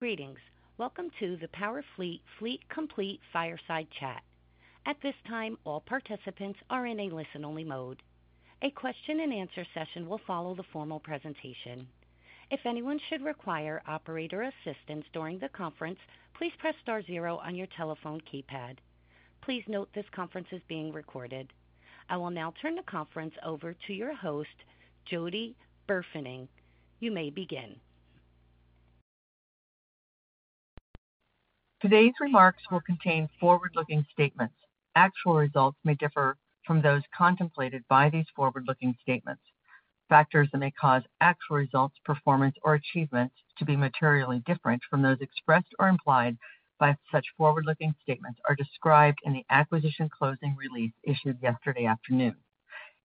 Greetings. Welcome to the Powerfleet, Fleet Complete Fireside Chat. At this time, all participants are in a listen-only mode. A question and answer session will follow the formal presentation. If anyone should require operator assistance during the conference, please press star zero on your telephone keypad. Please note this conference is being recorded. I will now turn the conference over to your host, Jody Burfening. You may begin. Today's remarks will contain forward-looking statements. Actual results may differ from those contemplated by these forward-looking statements. Factors that may cause actual results, performance, or achievements to be materially different from those expressed or implied by such forward-looking statements are described in the acquisition closing release issued yesterday afternoon.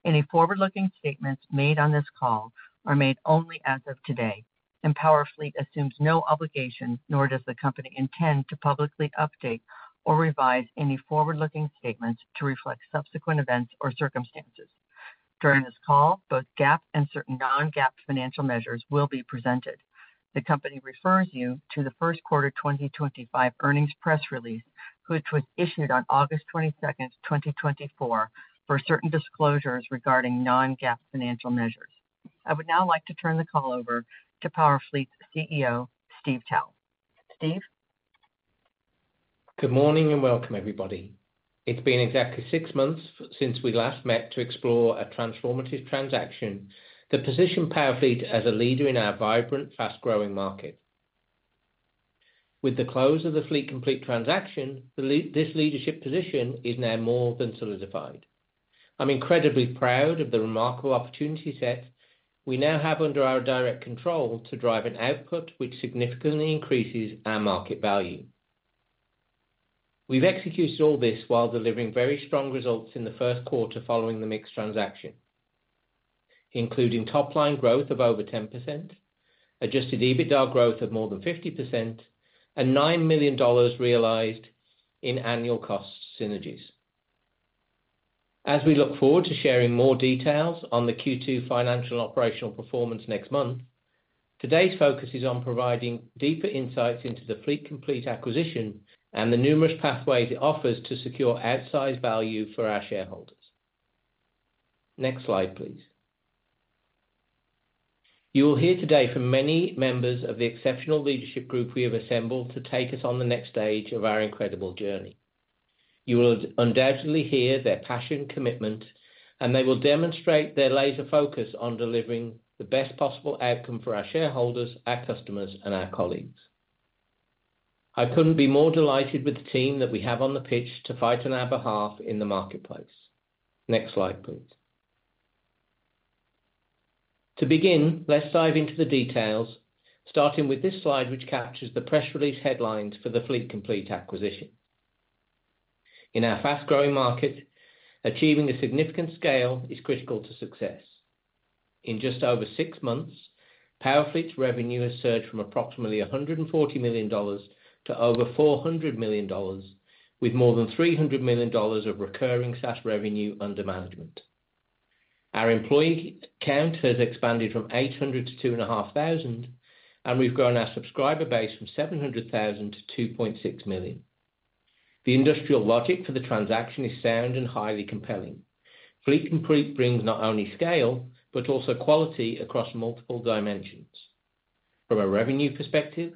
Any forward-looking statements made on this call are made only as of today, and Powerfleet assumes no obligation, nor does the company intend to publicly update or revise any forward-looking statements to reflect subsequent events or circumstances. During this call, both GAAP and certain non-GAAP financial measures will be presented. The company refers you to the first quarter 2025 earnings press release, which was issued on August 22, 2024, for certain disclosures regarding non-GAAP financial measures. I would now like to turn the call over to Powerfleet's CEO, Steve Towe. Steve? Good morning, and welcome, everybody. It's been exactly six months since we last met to explore a transformative transaction that positioned Powerfleet as a leader in our vibrant, fast-growing market. With the close of the Fleet Complete transaction, this leadership position is now more than solidified. I'm incredibly proud of the remarkable opportunity set we now have under our direct control to drive an output which significantly increases our market value. We've executed all this while delivering very strong results in the first quarter following the MiX transaction, including top-line growth of over 10%, adjusted EBITDA growth of more than 50%, and $9 million realized in annual cost synergies. As we look forward to sharing more details on the Q2 financial and operational performance next month, today's focus is on providing deeper insights into the Fleet Complete acquisition and the numerous pathways it offers to secure outsized value for our shareholders. Next slide, please. You will hear today from many members of the exceptional leadership group we have assembled to take us on the next stage of our incredible journey. You will undoubtedly hear their passion, commitment, and they will demonstrate their laser focus on delivering the best possible outcome for our shareholders, our customers, and our colleagues. I couldn't be more delighted with the team that we have on the pitch to fight on our behalf in the marketplace. Next slide, please. To begin, let's dive into the details, starting with this slide, which captures the press release headlines for the Fleet Complete acquisition. In our fast-growing market, achieving a significant scale is critical to success. In just over six months, Powerfleet's revenue has surged from approximately $140 million to over $400 million, with more than $300 million of recurring SaaS revenue under management. Our employee count has expanded from 800 to 2,500, and we've grown our subscriber base from 700,000 to 2.6 million. The industrial logic for the transaction is sound and highly compelling. Fleet Complete brings not only scale, but also quality across multiple dimensions. From a revenue perspective,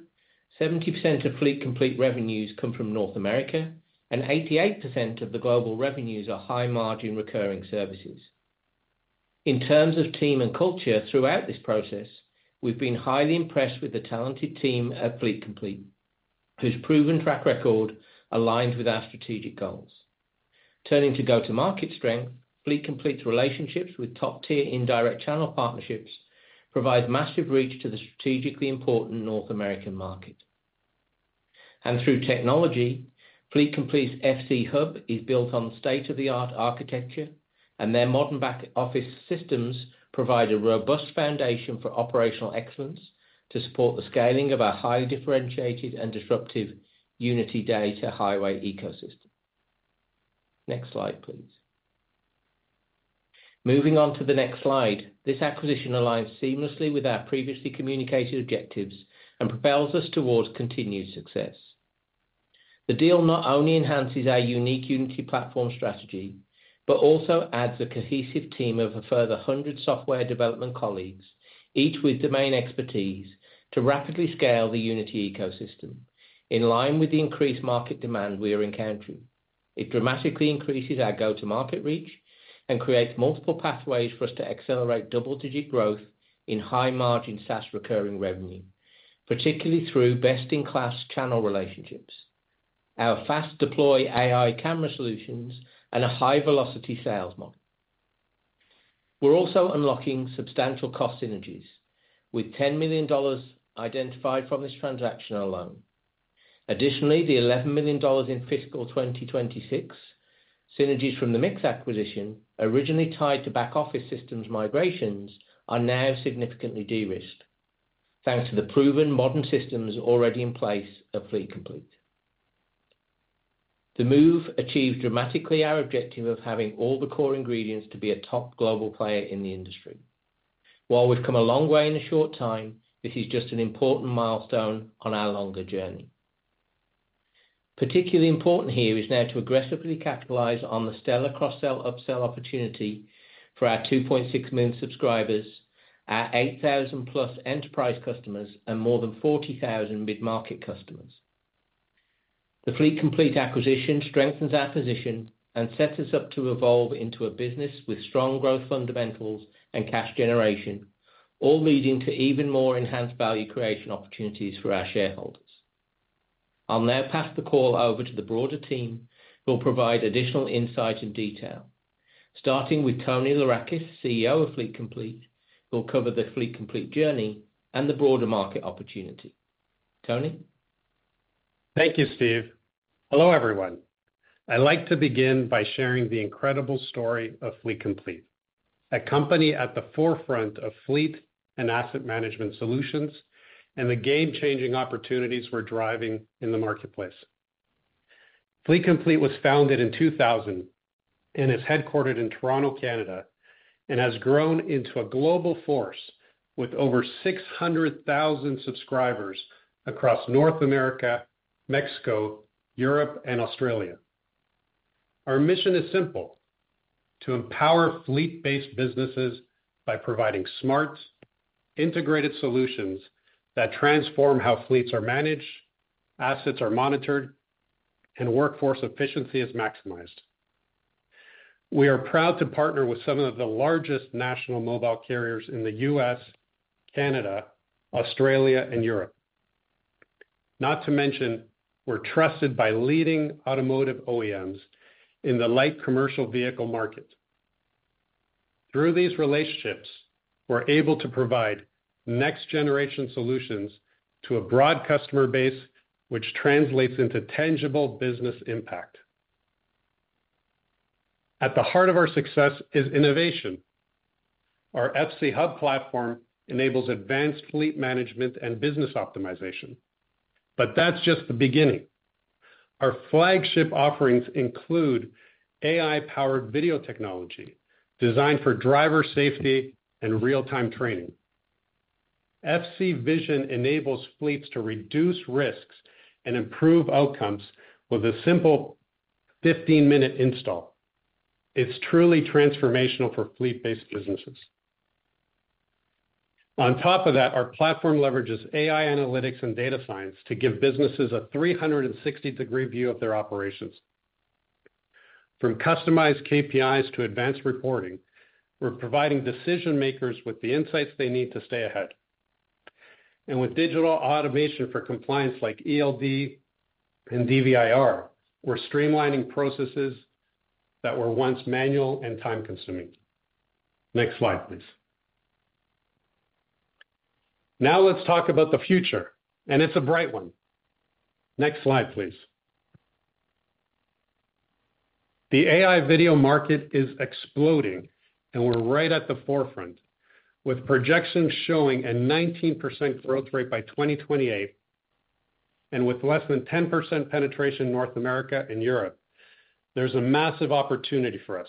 70% of Fleet Complete revenues come from North America, and 88% of the global revenues are high-margin, recurring services. In terms of team and culture throughout this process, we've been highly impressed with the talented team at Fleet Complete, whose proven track record aligns with our strategic goals. Turning to go-to-market strength, Fleet Complete's relationships with top-tier indirect channel partnerships provides massive reach to the strategically important North American market. And through technology, Fleet Complete's FC Hub is built on state-of-the-art architecture, and their modern back office systems provide a robust foundation for operational excellence to support the scaling of our highly differentiated and disruptive Unity data highway ecosystem. Next slide, please. Moving on to the next slide. This acquisition aligns seamlessly with our previously communicated objectives and propels us towards continued success. The deal not only enhances our unique Unity platform strategy, but also adds a cohesive team of a further 100 software development colleagues, each with domain expertise, to rapidly scale the Unity ecosystem in line with the increased market demand we are encountering. It dramatically increases our go-to-market reach and creates multiple pathways for us to accelerate double-digit growth in high-margin, SaaS recurring revenue, particularly through best-in-class channel relationships, our fast deploy AI camera solutions, and a high-velocity sales model. We're also unlocking substantial cost synergies, with $10 million identified from this transaction alone. Additionally, the $11 million in fiscal 2026 synergies from the MiX acquisition, originally tied to back office systems migrations, are now significantly de-risked, thanks to the proven modern systems already in place at Fleet Complete. The move achieved dramatically our objective of having all the core ingredients to be a top global player in the industry. While we've come a long way in a short time, this is just an important milestone on our longer journey. Particularly important here is now to aggressively capitalize on the stellar cross-sell, upsell opportunity for our 2.6 million subscribers, our 8,000 plus enterprise customers, and more than 40,000 mid-market customers. The Fleet Complete acquisition strengthens our position and sets us up to evolve into a business with strong growth fundamentals and cash generation, all leading to even more enhanced value creation opportunities for our shareholders. I'll now pass the call over to the broader team, who will provide additional insight and detail, starting with Tony Lourakis, CEO of Fleet Complete, who will cover the Fleet Complete journey and the broader market opportunity. Tony? Thank you, Steve. Hello, everyone. I'd like to begin by sharing the incredible story of Fleet Complete, a company at the forefront of fleet and asset management solutions and the game-changing opportunities we're driving in the marketplace. Fleet Complete was founded in 2000 and is headquartered in Toronto, Canada, and has grown into a global force with over 600,000 subscribers across North America, Mexico, Europe, and Australia. Our mission is simple: to empower fleet-based businesses by providing smart, integrated solutions that transform how fleets are managed, assets are monitored, and workforce efficiency is maximized. We are proud to partner with some of the largest national mobile carriers in the U.S., Canada, Australia, and Europe. Not to mention, we're trusted by leading automotive OEMs in the light commercial vehicle market. Through these relationships, we're able to provide next-generation solutions to a broad customer base, which translates into tangible business impact. At the heart of our success is innovation. Our FC Hub platform enables advanced fleet management and business optimization, but that's just the beginning. Our flagship offerings include AI-powered video technology, designed for driver safety and real-time training. FC Vision enables fleets to reduce risks and improve outcomes with a simple 15-minute install. It's truly transformational for fleet-based businesses. On top of that, our platform leverages AI analytics and data science to give businesses a 360-degree view of their operations. From customized KPIs to advanced reporting, we're providing decision-makers with the insights they need to stay ahead, and with digital automation for compliance, like ELD and DVIR, we're streamlining processes that were once manual and time-consuming. Next slide, please. Now let's talk about the future, and it's a bright one. Next slide, please. The AI video market is exploding, and we're right at the forefront, with projections showing a 19% growth rate by 2028, and with less than 10% penetration in North America and Europe, there's a massive opportunity for us.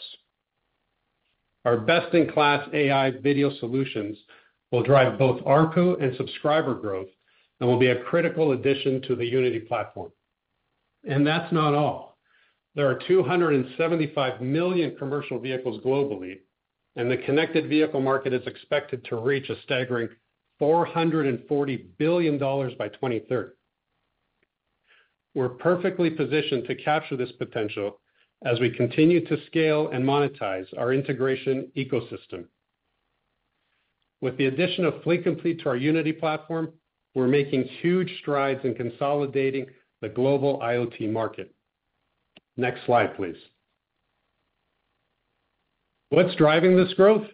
Our best-in-class AI video solutions will drive both ARPU and subscriber growth and will be a critical addition to the Unity platform. And that's not all. There are 275 million commercial vehicles globally, and the connected vehicle market is expected to reach a staggering $440 billion by 2030. We're perfectly positioned to capture this potential as we continue to scale and monetize our integration ecosystem. With the addition of Fleet Complete to our Unity platform, we're making huge strides in consolidating the global IoT market. Next slide, please. What's driving this growth?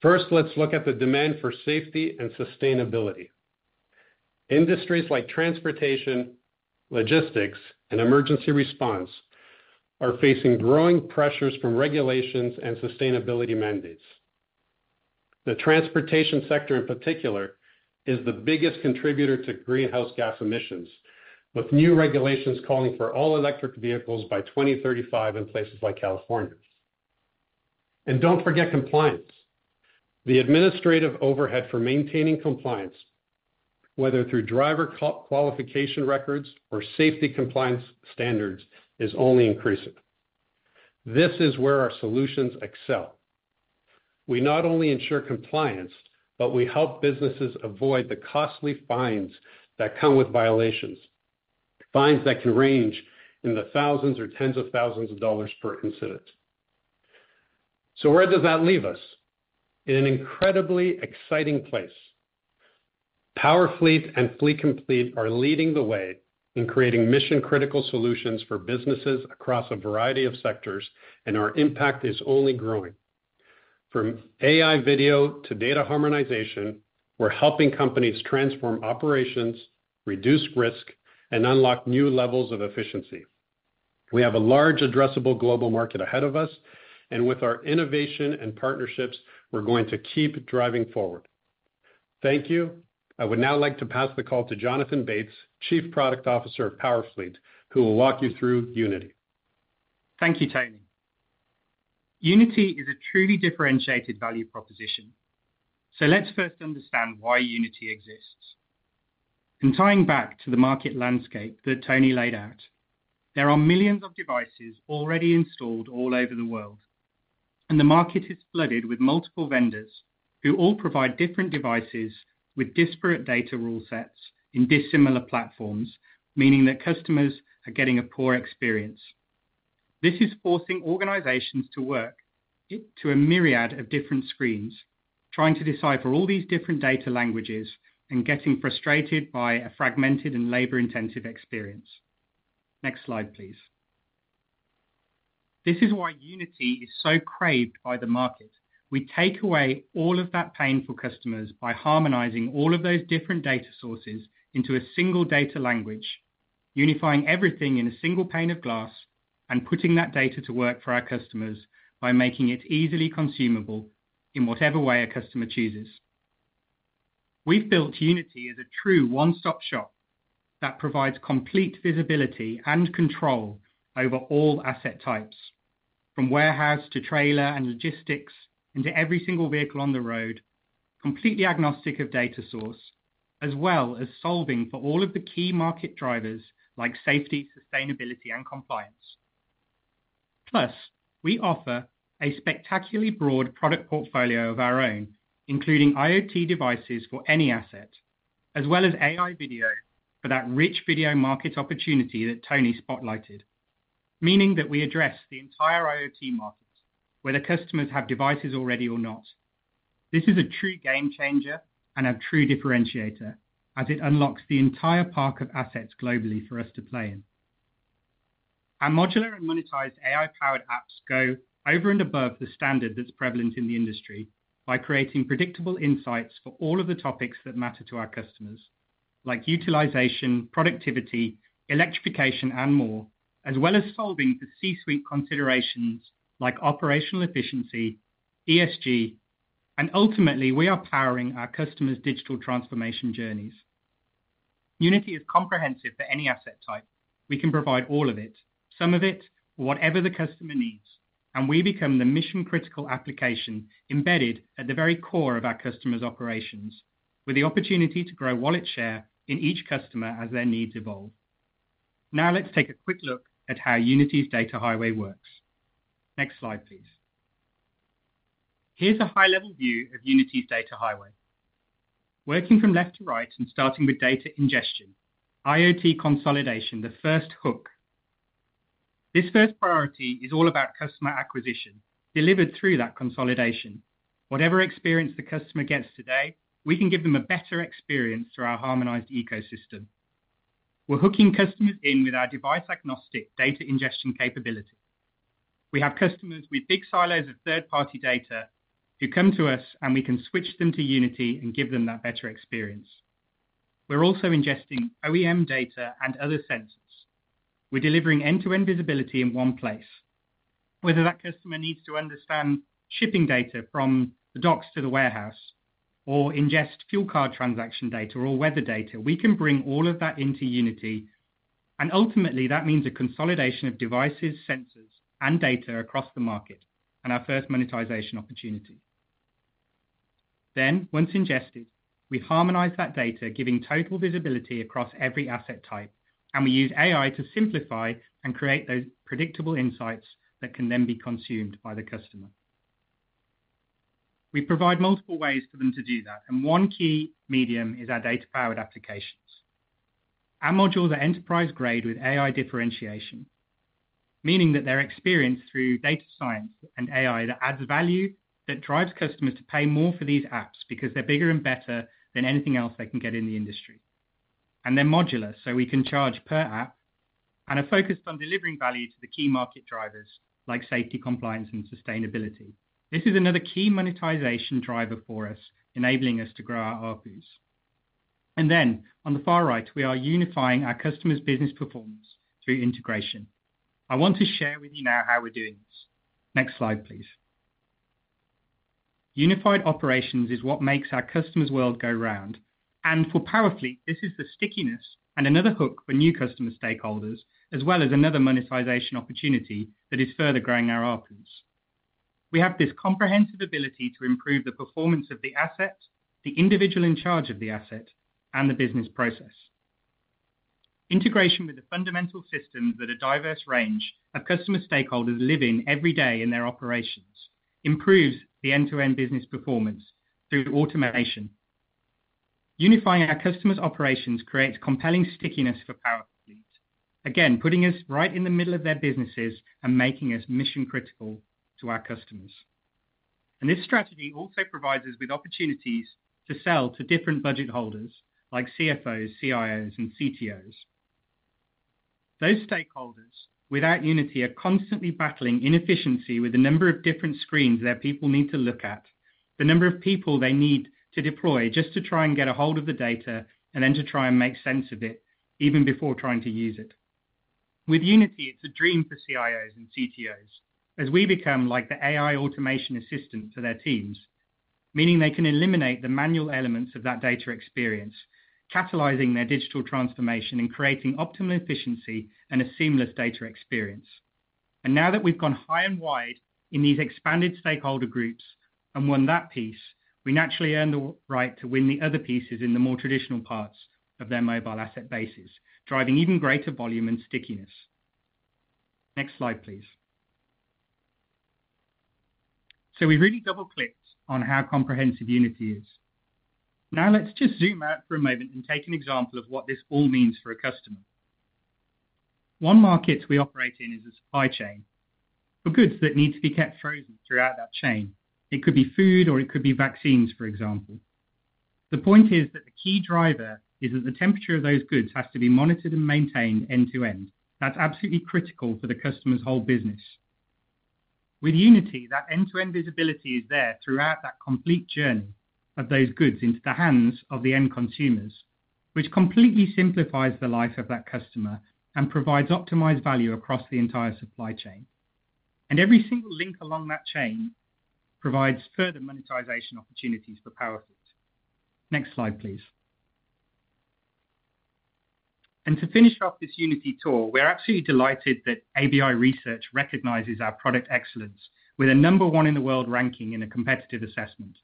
First, let's look at the demand for safety and sustainability. Industries like transportation, logistics, and emergency response are facing growing pressures from regulations and sustainability mandates. The transportation sector, in particular, is the biggest contributor to greenhouse gas emissions, with new regulations calling for all electric vehicles by 2035 in places like California. Don't forget compliance. The administrative overhead for maintaining compliance, whether through driver qualification records or safety compliance standards, is only increasing. This is where our solutions excel. We not only ensure compliance, but we help businesses avoid the costly fines that come with violations, fines that can range in the thousands or tens of thousands of dollars per incident. Where does that leave us? In an incredibly exciting place. Powerfleet and Fleet Complete are leading the way in creating mission-critical solutions for businesses across a variety of sectors, and our impact is only growing. From AI video to data harmonization, we're helping companies transform operations, reduce risk, and unlock new levels of efficiency. We have a large addressable global market ahead of us, and with our innovation and partnerships, we're going to keep driving forward. Thank you. I would now like to pass the call to Jonathan Bates, Chief Product Officer of Powerfleet, who will walk you through Unity. Thank you, Tony. Unity is a truly differentiated value proposition. So let's first understand why Unity exists. In tying back to the market landscape that Tony laid out, there are millions of devices already installed all over the world, and the market is flooded with multiple vendors who all provide different devices with disparate data rule sets in dissimilar platforms, meaning that customers are getting a poor experience. This is forcing organizations to work with a myriad of different screens, trying to decipher all these different data languages and getting frustrated by a fragmented and labor-intensive experience. Next slide, please. This is why Unity is so craved by the market. We take away all of that pain for customers by harmonizing all of those different data sources into a single data language, unifying everything in a single pane of glass, and putting that data to work for our customers by making it easily consumable in whatever way a customer chooses. We've built Unity as a true one-stop shop that provides complete visibility and control over all asset types, from warehouse to trailer and logistics, into every single vehicle on the road, completely agnostic of data source, as well as solving for all of the key market drivers like safety, sustainability, and compliance. Plus, we offer a spectacularly broad product portfolio of our own, including IoT devices for any asset, as well as AI video for that rich video market opportunity that Tony spotlighted. Meaning that we address the entire IoT market, whether customers have devices already or not. This is a true game changer and a true differentiator, as it unlocks the entire park of assets globally for us to play in. Our modular and monetized AI-powered apps go over and above the standard that's prevalent in the industry, by creating predictable insights for all of the topics that matter to our customers, like utilization, productivity, electrification, and more, as well as solving for C-suite considerations like operational efficiency, ESG, and ultimately, we are powering our customers' digital transformation journeys. Unity is comprehensive for any asset type. We can provide all of it, some of it, whatever the customer needs, and we become the mission-critical application embedded at the very core of our customers' operations, with the opportunity to grow wallet share in each customer as their needs evolve. Now, let's take a quick look at how Unity's data highway works. Next slide, please. Here's a high-level view of Unity's data highway. Working from left to right and starting with data ingestion, IoT consolidation, the first hook. This first priority is all about customer acquisition, delivered through that consolidation. Whatever experience the customer gets today, we can give them a better experience through our harmonized ecosystem. We're hooking customers in with our device-agnostic data ingestion capability. We have customers with big silos of third-party data who come to us, and we can switch them to Unity and give them that better experience. We're also ingesting OEM data and other sensors. We're delivering end-to-end visibility in one place. Whether that customer needs to understand shipping data from the docks to the warehouse, or ingest fuel card transaction data or weather data, we can bring all of that into Unity, and ultimately, that means a consolidation of devices, sensors, and data across the market, and our first monetization opportunity. Then, once ingested, we harmonize that data, giving total visibility across every asset type, and we use AI to simplify and create those predictable insights that can then be consumed by the customer. We provide multiple ways for them to do that, and one key medium is our data-powered applications. Our modules are enterprise-grade with AI differentiation, meaning that they're experienced through data science and AI that adds value, that drives customers to pay more for these apps because they're bigger and better than anything else they can get in the industry. And they're modular, so we can charge per app, and are focused on delivering value to the key market drivers like safety, compliance, and sustainability. This is another key monetization driver for us, enabling us to grow our ARPU. And then on the far right, we are unifying our customers' business performance through integration. I want to share with you now how we're doing this. Next slide, please. Unified operations is what makes our customer's world go round, and for Powerfleet, this is the stickiness and another hook for new customer stakeholders, as well as another monetization opportunity that is further growing our ARPU. We have this comprehensive ability to improve the performance of the asset, the individual in charge of the asset, and the business process. Integration with the fundamental systems that a diverse range of customer stakeholders live in every day in their operations improves the end-to-end business performance through automation. Unifying our customers' operations creates compelling stickiness for Powerfleet, again, putting us right in the middle of their businesses and making us mission-critical to our customers, and this strategy also provides us with opportunities to sell to different budget holders like CFOs, CIOs, and CTOs. Those stakeholders, without Unity, are constantly battling inefficiency with the number of different screens their people need to look at, the number of people they need to deploy just to try and get a hold of the data, and then to try and make sense of it, even before trying to use it. With Unity, it's a dream for CIOs and CTOs, as we become like the AI automation assistant to their teams, meaning they can eliminate the manual elements of that data experience, catalyzing their digital transformation and creating optimal efficiency and a seamless data experience. And now that we've gone high and wide in these expanded stakeholder groups and won that piece, we naturally earn the right to win the other pieces in the more traditional parts of their mobile asset bases, driving even greater volume and stickiness. Next slide, please. We really double-clicked on how comprehensive Unity is. Now, let's just zoom out for a moment and take an example of what this all means for a customer. One market we operate in is the supply chain, for goods that need to be kept frozen throughout that chain. It could be food or it could be vaccines, for example. The point is that the key driver is that the temperature of those goods has to be monitored and maintained end-to-end. That's absolutely critical for the customer's whole business. With Unity, that end-to-end visibility is there throughout that complete journey of those goods into the hands of the end consumers, which completely simplifies the life of that customer and provides optimized value across the entire supply chain. Every single link along that chain provides further monetization opportunities for Powerfleet. Next slide, please. To finish off this Unity tour, we're absolutely delighted that ABI Research recognizes our product excellence, with a number one in the world ranking in a competitive assessment.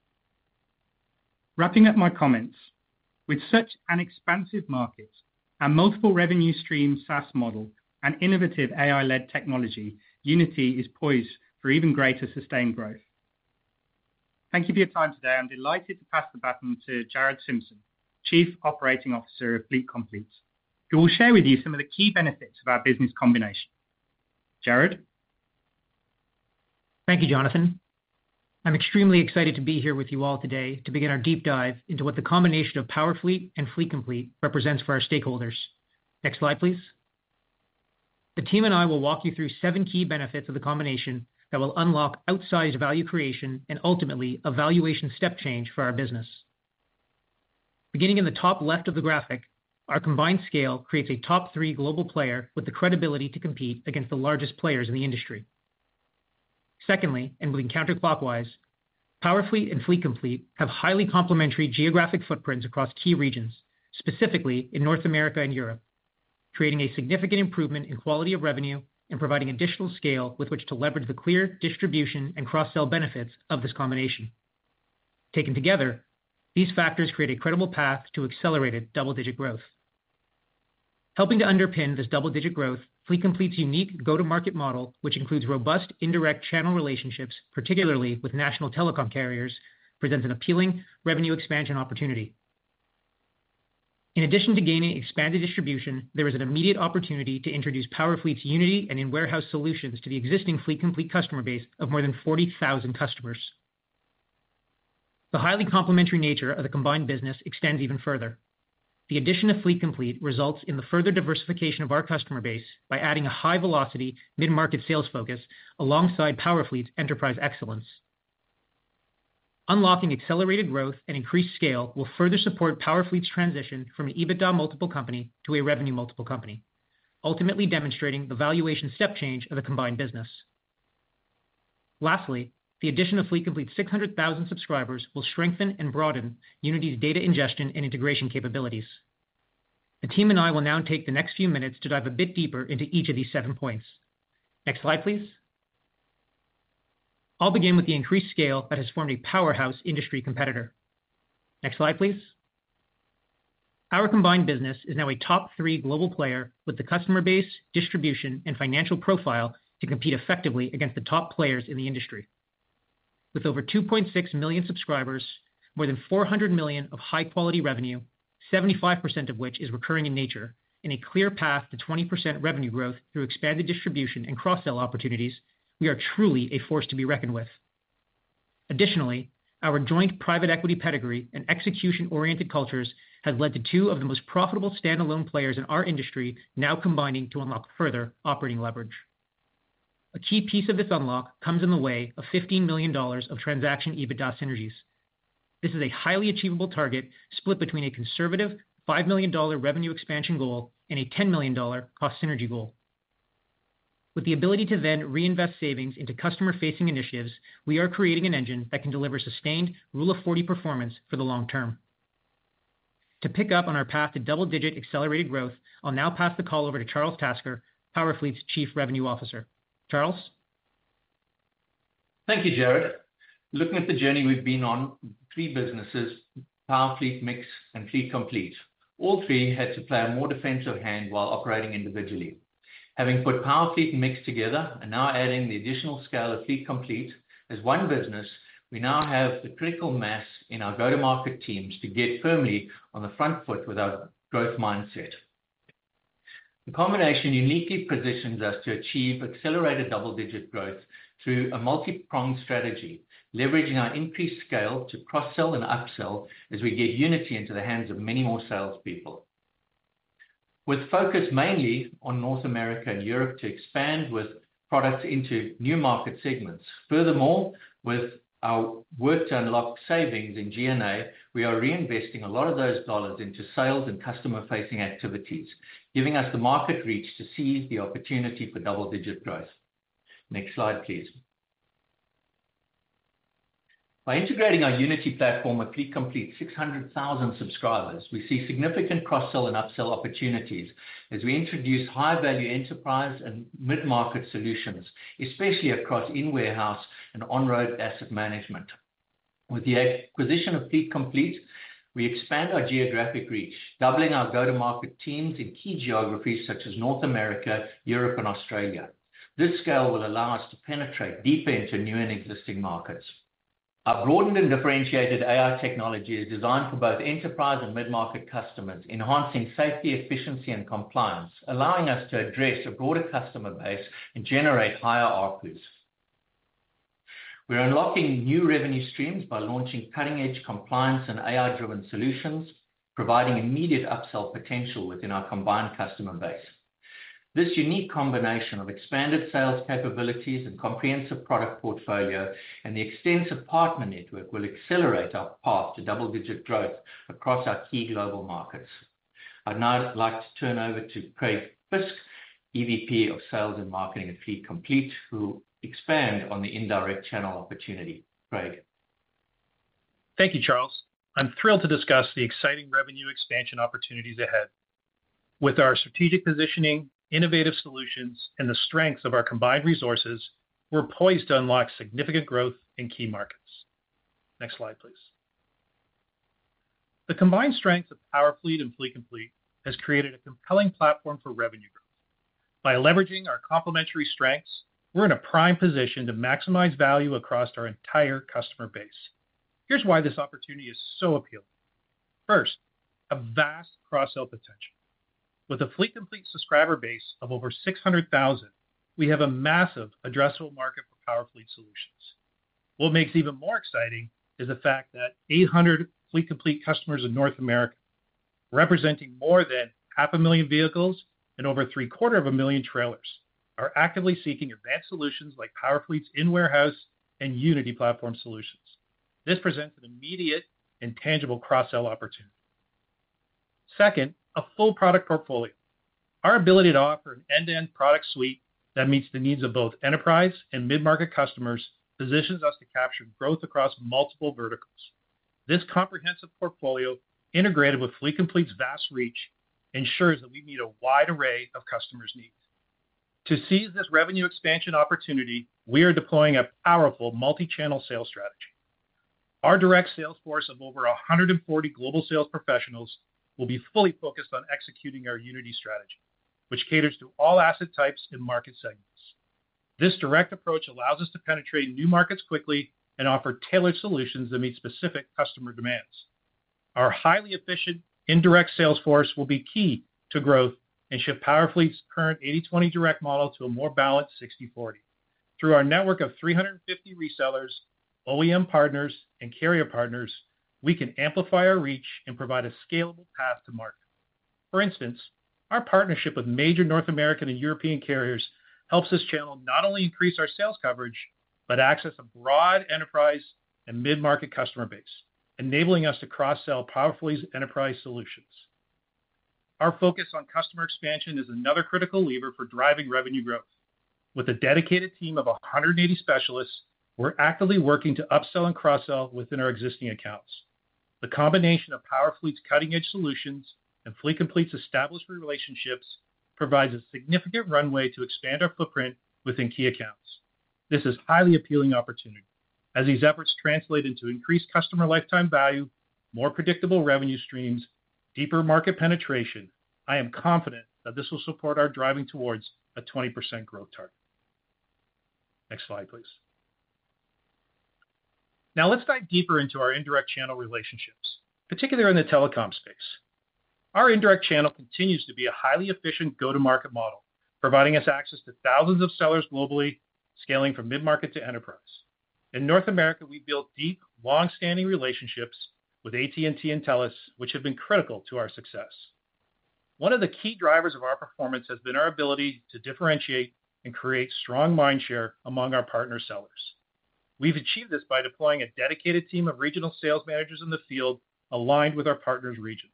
Wrapping up my comments, with such an expansive market and multiple revenue stream SaaS model and innovative AI-led technology, Unity is poised for even greater sustained growth. Thank you for your time today. I'm delighted to pass the baton to Jarrad Simpson, Chief Operating Officer of Fleet Complete, who will share with you some of the key benefits of our business combination. Jarrad? Thank you, Jonathan. I'm extremely excited to be here with you all today to begin our deep dive into what the combination of Powerfleet and Fleet Complete represents for our stakeholders. Next slide, please. The team and I will walk you through seven key benefits of the combination that will unlock outsized value creation and ultimately, a valuation step change for our business. Beginning in the top left of the graphic, our combined scale creates a top three global player with the credibility to compete against the largest players in the industry. Secondly, and going counterclockwise, Powerfleet and Fleet Complete have highly complementary geographic footprints across key regions, specifically in North America and Europe, creating a significant improvement in quality of revenue and providing additional scale with which to leverage the clear distribution and cross-sell benefits of this combination. Taken together, these factors create a credible path to accelerated double-digit growth. Helping to underpin this double-digit growth, Fleet Complete's unique go-to-market model, which includes robust indirect channel relationships, particularly with national telecom carriers, presents an appealing revenue expansion opportunity. In addition to gaining expanded distribution, there is an immediate opportunity to introduce Powerfleet's Unity and in-warehouse solutions to the existing Fleet Complete customer base of more than 40,000 customers. The highly complementary nature of the combined business extends even further. The addition of Fleet Complete results in the further diversification of our customer base by adding a high-velocity, mid-market sales focus alongside Powerfleet's enterprise excellence. Unlocking accelerated growth and increased scale will further support Powerfleet's transition from an EBITDA multiple company to a revenue multiple company, ultimately demonstrating the valuation step change of the combined business. Lastly, the addition of Fleet Complete's 600,000 subscribers will strengthen and broaden Unity's data ingestion and integration capabilities. The team and I will now take the next few minutes to dive a bit deeper into each of these seven points. Next slide, please. I'll begin with the increased scale that has formed a powerhouse industry competitor. Next slide, please. Our combined business is now a top three global player with the customer base, distribution, and financial profile to compete effectively against the top players in the industry. With over 2.6 million subscribers, more than $400 million of high-quality revenue, 75% of which is recurring in nature, and a clear path to 20% revenue growth through expanded distribution and cross-sell opportunities, we are truly a force to be reckoned with. Additionally, our joint private equity pedigree and execution-oriented cultures have led to two of the most profitable standalone players in our industry now combining to unlock further operating leverage. A key piece of this unlock comes in the way of $15 million of transaction EBITDA synergies. This is a highly achievable target, split between a conservative $5 million revenue expansion goal and a $10 million cost synergy goal. With the ability to then reinvest savings into customer-facing initiatives, we are creating an engine that can deliver sustained Rule of 40 performance for the long term. To pick up on our path to double-digit accelerated growth, I'll now pass the call over to Charles Tasker, Powerfleet's Chief Revenue Officer. Charles? Thank you, Jared. Looking at the journey we've been on, three businesses, Powerfleet, MiX, and Fleet Complete. All three had to play a more defensive hand while operating individually. Having put Powerfleet and MiX together, and now adding the additional scale of Fleet Complete, as one business, we now have the critical mass in our go-to-market teams to get firmly on the front foot with our growth mindset. The combination uniquely positions us to achieve accelerated double-digit growth through a multipronged strategy, leveraging our increased scale to cross-sell and upsell as we get Unity into the hands of many more salespeople. With focus mainly on North America and Europe to expand with products into new market segments. Furthermore, with our work to unlock savings in G&A, we are reinvesting a lot of those dollars into sales and customer-facing activities, giving us the market reach to seize the opportunity for double-digit growth. Next slide, please. ... By integrating our Unity platform with Fleet Complete's 600,000 subscribers, we see significant cross-sell and upsell opportunities as we introduce high-value enterprise and mid-market solutions, especially across in-warehouse and on-road asset management. With the acquisition of Fleet Complete, we expand our geographic reach, doubling our go-to-market teams in key geographies such as North America, Europe, and Australia. This scale will allow us to penetrate deeper into new and existing markets. Our broadened and differentiated AI technology is designed for both enterprise and mid-market customers, enhancing safety, efficiency, and compliance, allowing us to address a broader customer base and generate higher ARPU. We're unlocking new revenue streams by launching cutting-edge compliance and AI-driven solutions, providing immediate upsell potential within our combined customer base. This unique combination of expanded sales capabilities and comprehensive product portfolio, and the extensive partner network will accelerate our path to double-digit growth across our key global markets. I'd now like to turn over to Craig Fisk, EVP of Sales and Marketing at Fleet Complete, who will expand on the indirect channel opportunity. Craig? Thank you, Charles. I'm thrilled to discuss the exciting revenue expansion opportunities ahead. With our strategic positioning, innovative solutions, and the strength of our combined resources, we're poised to unlock significant growth in key markets. Next slide, please. The combined strength of Powerfleet and Fleet Complete has created a compelling platform for revenue growth. By leveraging our complementary strengths, we're in a prime position to maximize value across our entire customer base. Here's why this opportunity is so appealing. First, a vast cross-sell potential. With a Fleet Complete subscriber base of over 600,000, we have a massive addressable market for Powerfleet solutions. What makes it even more exciting is the fact that 800 Fleet Complete customers in North America, representing more than 500,000 vehicles and over 750,000 trailers, are actively seeking advanced solutions like Powerfleet's in-warehouse and Unity platform solutions. This presents an immediate and tangible cross-sell opportunity. Second, a full product portfolio. Our ability to offer an end-to-end product suite that meets the needs of both enterprise and mid-market customers, positions us to capture growth across multiple verticals. This comprehensive portfolio, integrated with Fleet Complete's vast reach, ensures that we meet a wide array of customers' needs. To seize this revenue expansion opportunity, we are deploying a powerful multi-channel sales strategy. Our direct sales force of over a hundred and forty global sales professionals will be fully focused on executing our Unity strategy, which caters to all asset types and market segments. This direct approach allows us to penetrate new markets quickly and offer tailored solutions that meet specific customer demands. Our highly efficient indirect sales force will be key to growth and shift Powerfleet's current eighty/twenty direct model to a more balanced sixty/forty. Through our network of 350 resellers, OEM partners, and carrier partners, we can amplify our reach and provide a scalable path to market. For instance, our partnership with major North American and European carriers helps this channel not only increase our sales coverage, but access a broad enterprise and mid-market customer base, enabling us to cross-sell Powerfleet's enterprise solutions. Our focus on customer expansion is another critical lever for driving revenue growth. With a dedicated team of 180 specialists, we're actively working to upsell and cross-sell within our existing accounts. The combination of Powerfleet's cutting-edge solutions and Fleet Complete's established relationships provides a significant runway to expand our footprint within key accounts. This is a highly appealing opportunity. As these efforts translate into increased customer lifetime value, more predictable revenue streams, deeper market penetration, I am confident that this will support our driving towards a 20% growth target. Next slide, please. Now, let's dive deeper into our indirect channel relationships, particularly in the telecom space. Our indirect channel continues to be a highly efficient go-to-market model, providing us access to thousands of sellers globally, scaling from mid-market to enterprise. In North America, we built deep, long-standing relationships with AT&T and TELUS, which have been critical to our success. One of the key drivers of our performance has been our ability to differentiate and create strong mind share among our partner sellers. We've achieved this by deploying a dedicated team of regional sales managers in the field, aligned with our partners' regions.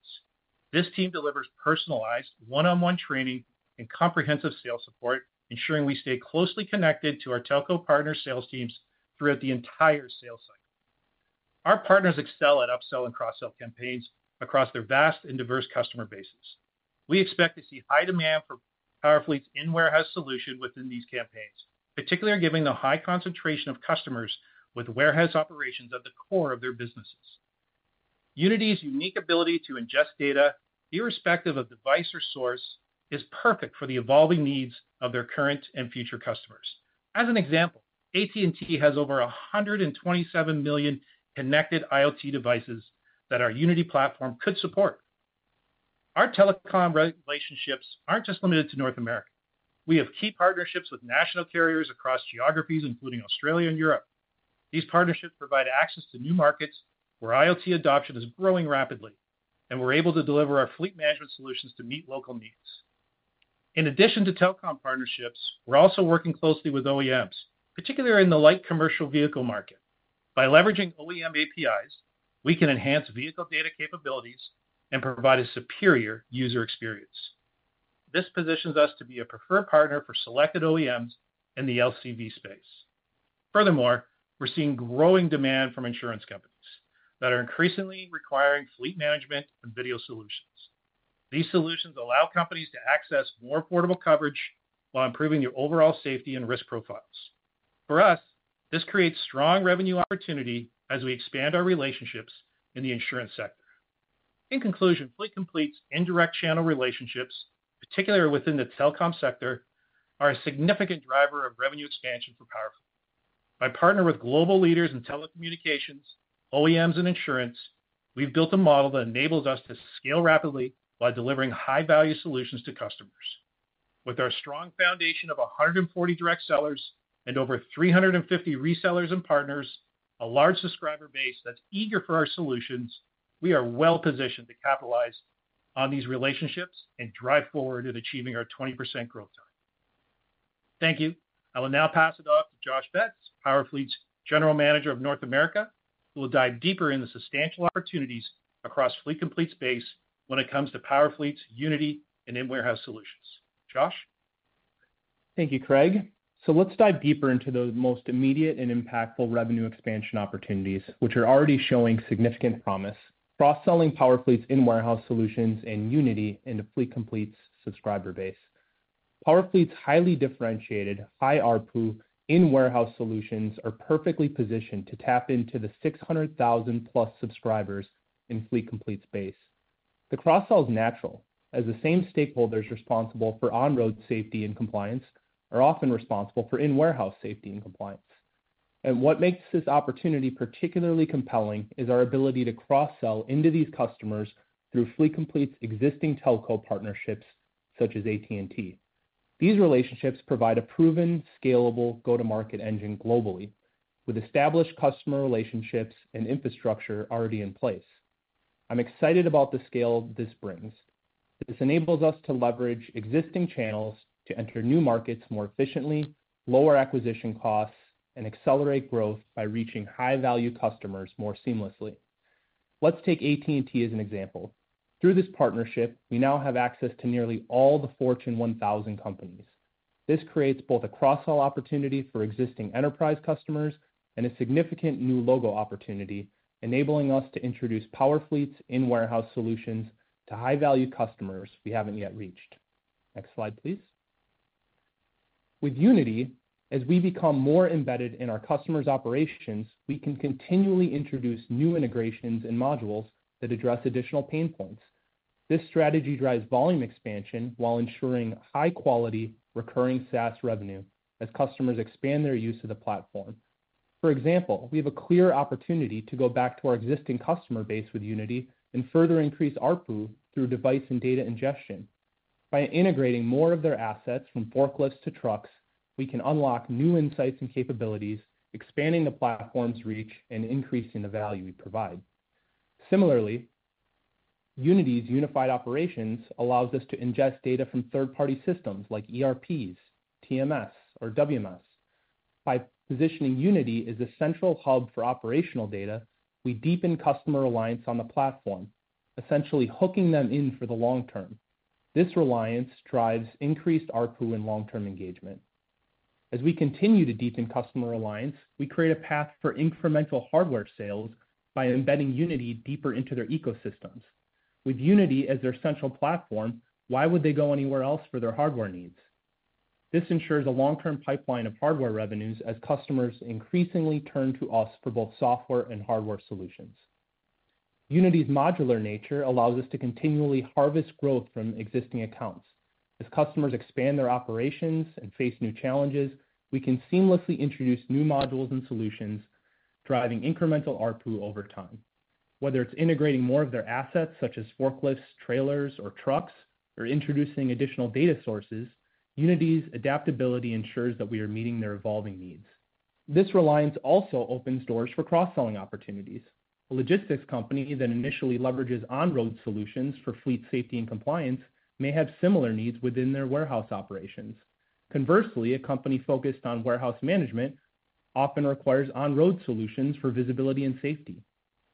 This team delivers personalized, one-on-one training and comprehensive sales support, ensuring we stay closely connected to our telco partner sales teams throughout the entire sales cycle. Our partners excel at upsell and cross-sell campaigns across their vast and diverse customer bases. We expect to see high demand for Powerfleet's in-warehouse solution within these campaigns, particularly given the high concentration of customers with warehouse operations at the core of their businesses. Unity's unique ability to ingest data, irrespective of device or source, is perfect for the evolving needs of their current and future customers. As an example, AT&T has over a hundred and twenty-seven million connected IoT devices that our Unity platform could support. Our telecom relationships aren't just limited to North America. We have key partnerships with national carriers across geographies, including Australia and Europe. These partnerships provide access to new markets where IoT adoption is growing rapidly, and we're able to deliver our fleet management solutions to meet local needs. In addition to telecom partnerships, we're also working closely with OEMs, particularly in the light commercial vehicle market. By leveraging OEM APIs, we can enhance vehicle data capabilities and provide a superior user experience. This positions us to be a preferred partner for selected OEMs in the LCV space. Furthermore, we're seeing growing demand from insurance companies that are increasingly requiring fleet management and video solutions. These solutions allow companies to access more affordable coverage while improving their overall safety and risk profiles. For us, this creates strong revenue opportunity as we expand our relationships in the insurance sector. In conclusion, Fleet Complete's indirect channel relationships, particularly within the telecom sector, are a significant driver of revenue expansion for Powerfleet. By partnering with global leaders in telecommunications, OEMs, and insurance, we've built a model that enables us to scale rapidly while delivering high-value solutions to customers. With our strong foundation of 140 direct sellers and over 350 resellers and partners, a large subscriber base that's eager for our solutions, we are well positioned to capitalize on these relationships and drive forward in achieving our 20% growth target. Thank you. I will now pass it off to Josh Betts, Powerfleet's General Manager of North America, who will dive deeper into the substantial opportunities across Fleet Complete's base when it comes to Powerfleet's Unity and in-warehouse solutions. Josh? Thank you, Craig. So let's dive deeper into the most immediate and impactful revenue expansion opportunities, which are already showing significant promise. Cross-selling Powerfleet's in-warehouse solutions and Unity into Fleet Complete's subscriber base. Powerfleet's highly differentiated, high ARPU in-warehouse solutions are perfectly positioned to tap into the six hundred thousand-plus subscribers in Fleet Complete's base. The cross-sell is natural, as the same stakeholders responsible for on-road safety and compliance are often responsible for in-warehouse safety and compliance. And what makes this opportunity particularly compelling is our ability to cross-sell into these customers through Fleet Complete's existing telco partnerships, such as AT&T. These relationships provide a proven, scalable, go-to-market engine globally, with established customer relationships and infrastructure already in place. I'm excited about the scale this brings. This enables us to leverage existing channels to enter new markets more efficiently, lower acquisition costs, and accelerate growth by reaching high-value customers more seamlessly. Let's take AT&T as an example. Through this partnership, we now have access to nearly all the Fortune 1000 companies. This creates both a cross-sell opportunity for existing enterprise customers and a significant new logo opportunity, enabling us to introduce Powerfleet's in-warehouse solutions to high-value customers we haven't yet reached. Next slide, please. With Unity, as we become more embedded in our customers' operations, we can continually introduce new integrations and modules that address additional pain points. This strategy drives volume expansion while ensuring high-quality, recurring SaaS revenue as customers expand their use of the platform. For example, we have a clear opportunity to go back to our existing customer base with Unity and further increase ARPU through device and data ingestion. By integrating more of their assets, from forklifts to trucks, we can unlock new insights and capabilities, expanding the platform's reach and increasing the value we provide. Similarly, Unity's unified operations allows us to ingest data from third-party systems like ERPs, TMS, or WMS. By positioning Unity as a central hub for operational data, we deepen customer reliance on the platform, essentially hooking them in for the long term. This reliance drives increased ARPU and long-term engagement. As we continue to deepen customer reliance, we create a path for incremental hardware sales by embedding Unity deeper into their ecosystems. With Unity as their central platform, why would they go anywhere else for their hardware needs? This ensures a long-term pipeline of hardware revenues as customers increasingly turn to us for both software and hardware solutions. Unity's modular nature allows us to continually harvest growth from existing accounts. As customers expand their operations and face new challenges, we can seamlessly introduce new modules and solutions, driving incremental ARPU over time. Whether it's integrating more of their assets, such as forklifts, trailers, or trucks, or introducing additional data sources, Unity's adaptability ensures that we are meeting their evolving needs. This reliance also opens doors for cross-selling opportunities. A logistics company that initially leverages on-road solutions for fleet safety and compliance may have similar needs within their warehouse operations. Conversely, a company focused on warehouse management often requires on-road solutions for visibility and safety.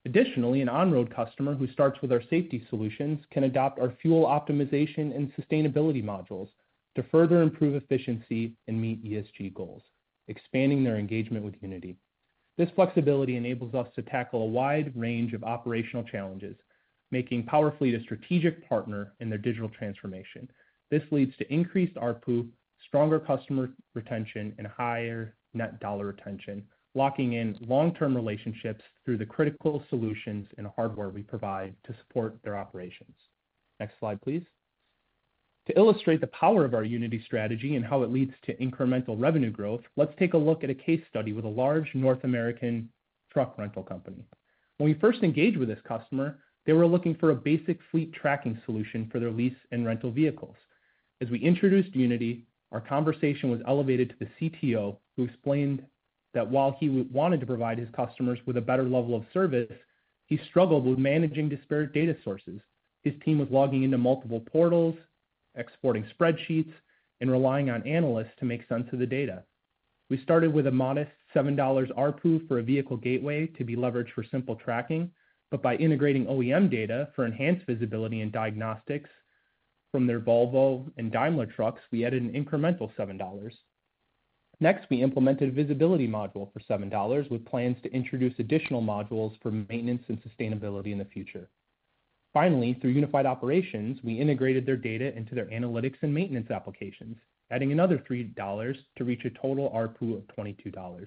Additionally, an on-road customer who starts with our safety solutions can adopt our fuel optimization and sustainability modules to further improve efficiency and meet ESG goals, expanding their engagement with Unity. This flexibility enables us to tackle a wide range of operational challenges, making Powerfleet a strategic partner in their digital transformation. This leads to increased ARPU, stronger customer retention, and higher net dollar retention, locking in long-term relationships through the critical solutions and hardware we provide to support their operations. Next slide, please. To illustrate the power of our Unity strategy and how it leads to incremental revenue growth, let's take a look at a case study with a large North American truck rental company. When we first engaged with this customer, they were looking for a basic fleet tracking solution for their lease and rental vehicles. As we introduced Unity, our conversation was elevated to the CTO, who explained that while he wanted to provide his customers with a better level of service, he struggled with managing disparate data sources. His team was logging into multiple portals, exporting spreadsheets, and relying on analysts to make sense of the data. We started with a modest $7 ARPU for a vehicle gateway to be leveraged for simple tracking. But by integrating OEM data for enhanced visibility and diagnostics from their Volvo and Daimler trucks, we added an incremental $7. Next, we implemented a visibility module for $7, with plans to introduce additional modules for maintenance and sustainability in the future. Finally, through unified operations, we integrated their data into their analytics and maintenance applications, adding another $3 to reach a total ARPU of $22.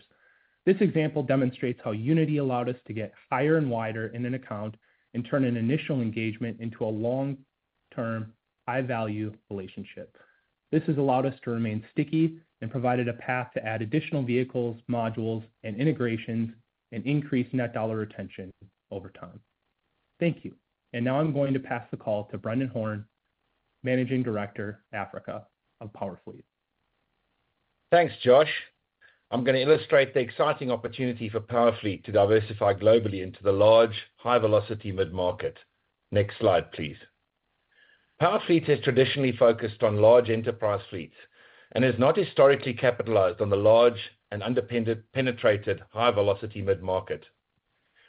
This example demonstrates how Unity allowed us to get higher and wider in an account and turn an initial engagement into a long-term, high-value relationship. This has allowed us to remain sticky and provided a path to add additional vehicles, modules, and integrations, and increase net dollar retention over time. Thank you. Now I'm going to pass the call to Brendan Horan, Managing Director, Africa of Powerfleet. Thanks, Josh. I'm gonna illustrate the exciting opportunity for Powerfleet to diversify globally into the large, high-velocity mid-market. Next slide, please. Powerfleet has traditionally focused on large enterprise fleets and has not historically capitalized on the large and under-penetrated high-velocity mid-market.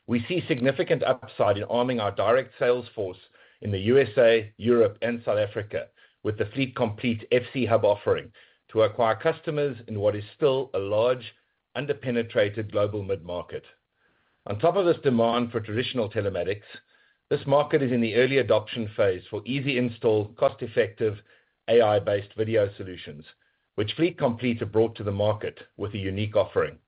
We see significant upside in arming our direct sales force in the USA, Europe, and South Africa with the Fleet Complete FC Hub offering, to acquire customers in what is still a large, under-penetrated global mid-market. On top of this demand for traditional telematics, this market is in the early adoption phase for easy install, cost-effective, AI-based video solutions, which Fleet Complete have brought to the market with a unique offering.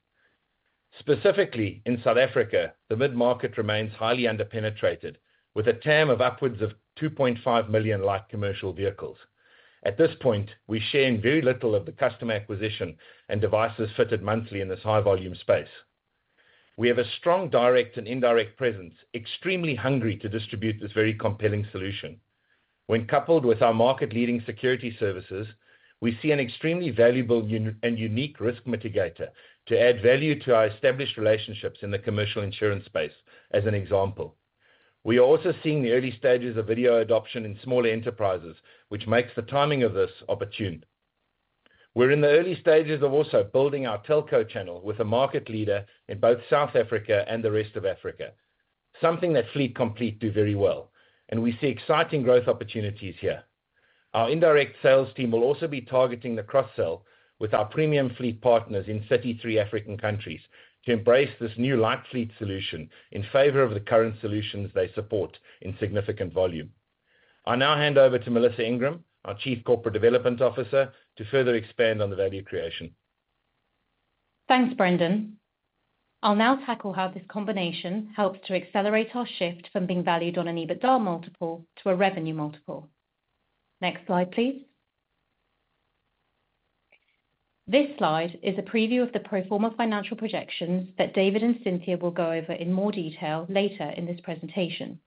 Specifically, in South Africa, the mid-market remains highly under-penetrated, with a TAM of upwards of 2.5 million light commercial vehicles. At this point, we're sharing very little of the customer acquisition and devices fitted monthly in this high-volume space. We have a strong direct and indirect presence, extremely hungry to distribute this very compelling solution. When coupled with our market-leading security services, we see an extremely valuable unique risk mitigator to add value to our established relationships in the commercial insurance space, as an example. We are also seeing the early stages of video adoption in smaller enterprises, which makes the timing of this opportune. We're in the early stages of also building our telco channel with a market leader in both South Africa and the rest of Africa, something that Fleet Complete do very well, and we see exciting growth opportunities here. Our indirect sales team will also be targeting the cross-sell with our premium fleet partners in 33 African countries, to embrace this new light fleet solution in favor of the current solutions they support in significant volume. I now hand over to Melissa Ingram, our Chief Corporate Development Officer, to further expand on the value creation. Thanks, Brendan. I'll now tackle how this combination helps to accelerate our shift from being valued on an EBITDA multiple to a revenue multiple. Next slide, please. This slide is a preview of the pro forma financial projections that David and Cynthia will go over in more detail later in this presentation.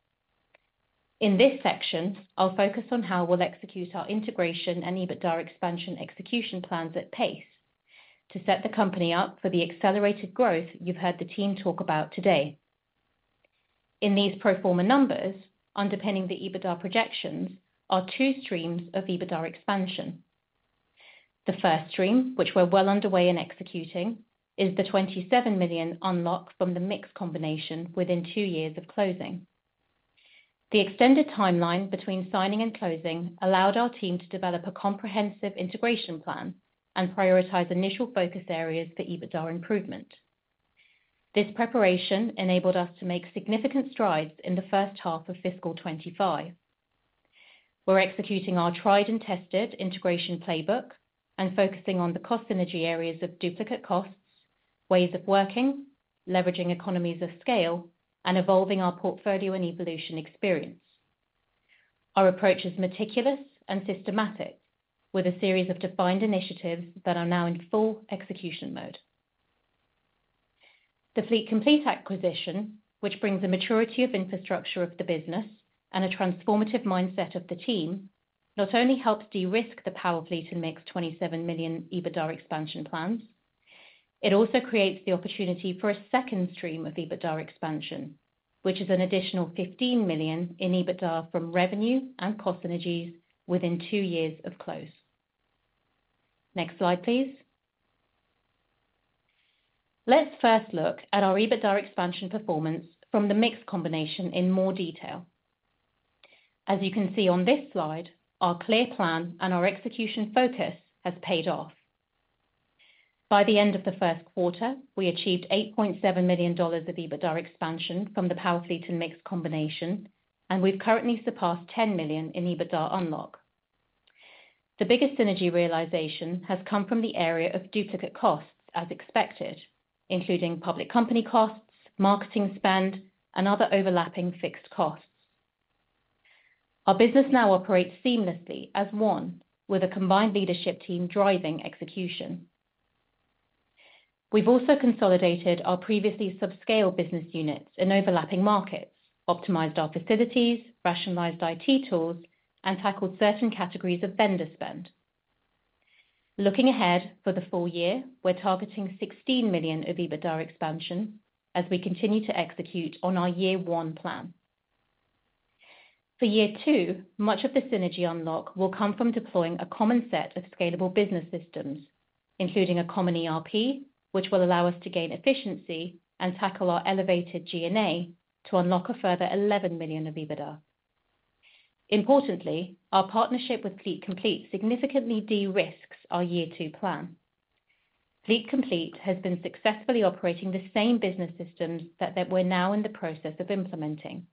In this section, I'll focus on how we'll execute our integration and EBITDA expansion execution plans at pace to set the company up for the accelerated growth you've heard the team talk about today. In these pro forma numbers, underpinning the EBITDA projections are two streams of EBITDA expansion. The first stream, which we're well underway in executing, is the $27 million unlocked from the MiX combination within two years of closing. The extended timeline between signing and closing allowed our team to develop a comprehensive integration plan and prioritize initial focus areas for EBITDA improvement. This preparation enabled us to make significant strides in the first half of fiscal 2025. We're executing our tried and tested integration playbook and focusing on the cost synergy areas of duplicate costs, ways of working, leveraging economies of scale, and evolving our portfolio and evolution experience. Our approach is meticulous and systematic, with a series of defined initiatives that are now in full execution mode. The Fleet Complete acquisition, which brings a maturity of infrastructure of the business and a transformative mindset of the team, not only helps de-risk the Powerfleet and MiX 27 million EBITDA expansion plans, it also creates the opportunity for a second stream of EBITDA expansion, which is an additional 15 million in EBITDA from revenue and cost synergies within two years of close. Next slide, please. Let's first look at our EBITDA expansion performance from the MiX combination in more detail. As you can see on this slide, our clear plan and our execution focus has paid off. By the end of the first quarter, we achieved $8.7 million of EBITDA expansion from the Powerfleet and MiX combination, and we've currently surpassed $10 million in EBITDA unlock. The biggest synergy realization has come from the area of duplicate costs, as expected, including public company costs, marketing spend, and other overlapping fixed costs. Our business now operates seamlessly as one, with a combined leadership team driving execution. We've also consolidated our previously subscale business units in overlapping markets, optimized our facilities, rationalized IT tools, and tackled certain categories of vendor spend. Looking ahead for the full year, we're targeting $16 million of EBITDA expansion as we continue to execute on our year one plan. For year two, much of the synergy unlock will come from deploying a common set of scalable business systems, including a common ERP, which will allow us to gain efficiency and tackle our elevated G&A to unlock a further $11 million of EBITDA. Importantly, our partnership with Fleet Complete significantly de-risks our year two plan. Fleet Complete has been successfully operating the same business systems that we're now in the process of implementing,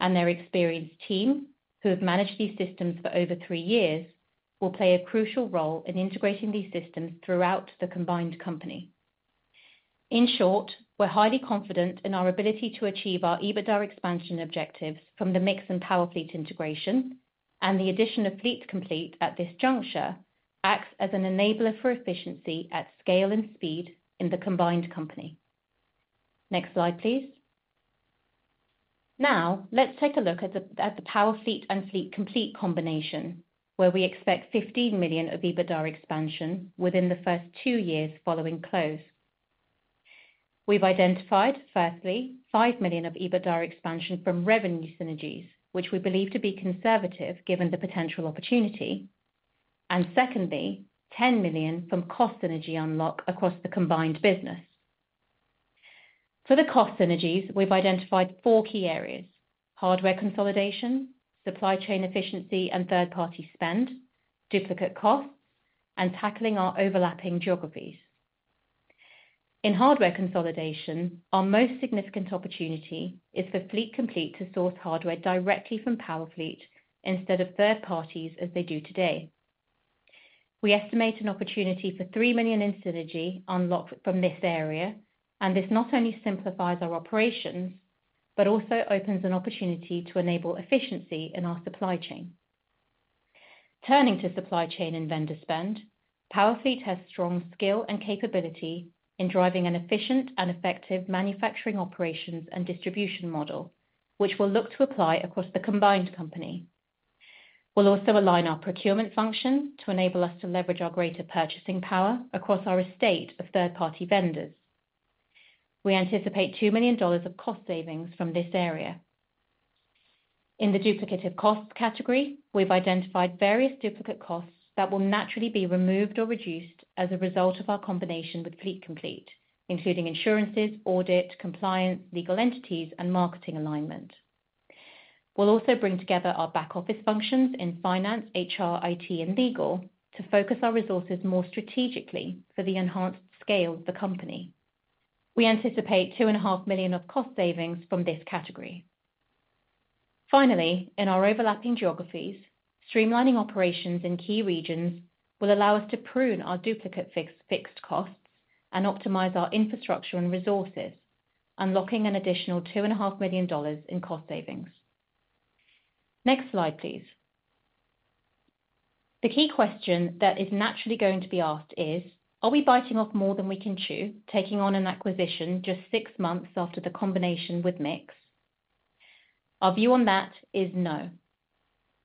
and their experienced team, who have managed these systems for over three years, will play a crucial role in integrating these systems throughout the combined company. In short, we're highly confident in our ability to achieve our EBITDA expansion objectives from the MiX and Powerfleet integration, and the addition of Fleet Complete at this juncture acts as an enabler for efficiency at scale and speed in the combined company. Next slide, please. Now, let's take a look at the Powerfleet and Fleet Complete combination, where we expect 15 million of EBITDA expansion within the first two years following close. We've identified, firstly, 5 million of EBITDA expansion from revenue synergies, which we believe to be conservative, given the potential opportunity, and secondly, 10 million from cost synergy unlock across the combined business. For the cost synergies, we've identified 4 key areas: hardware consolidation, supply chain efficiency, and third-party spend, duplicate costs, and tackling our overlapping geographies. In hardware consolidation, our most significant opportunity is for Fleet Complete to source hardware directly from Powerfleet instead of third parties, as they do today. We estimate an opportunity for 3 million in synergy unlocked from this area, and this not only simplifies our operations, but also opens an opportunity to enable efficiency in our supply chain. Turning to supply chain and vendor spend, Powerfleet has strong skill and capability in driving an efficient and effective manufacturing operations and distribution model, which we'll look to apply across the combined company. We'll also align our procurement function to enable us to leverage our greater purchasing power across our estate of third-party vendors. We anticipate $2 million of cost savings from this area. In the duplicative costs category, we've identified various duplicate costs that will naturally be removed or reduced as a result of our combination with Fleet Complete, including insurances, audit, compliance, legal entities, and marketing alignment. We'll also bring together our back office functions in finance, HR, IT, and legal to focus our resources more strategically for the enhanced scale of the company. We anticipate $2.5 million of cost savings from this category. Finally, in our overlapping geographies, streamlining operations in key regions will allow us to prune our duplicate fixed costs and optimize our infrastructure and resources, unlocking an additional $2.5 million in cost savings. Next slide, please. The key question that is naturally going to be asked is: Are we biting off more than we can chew, taking on an acquisition just six months after the combination with MiX? Our view on that is no.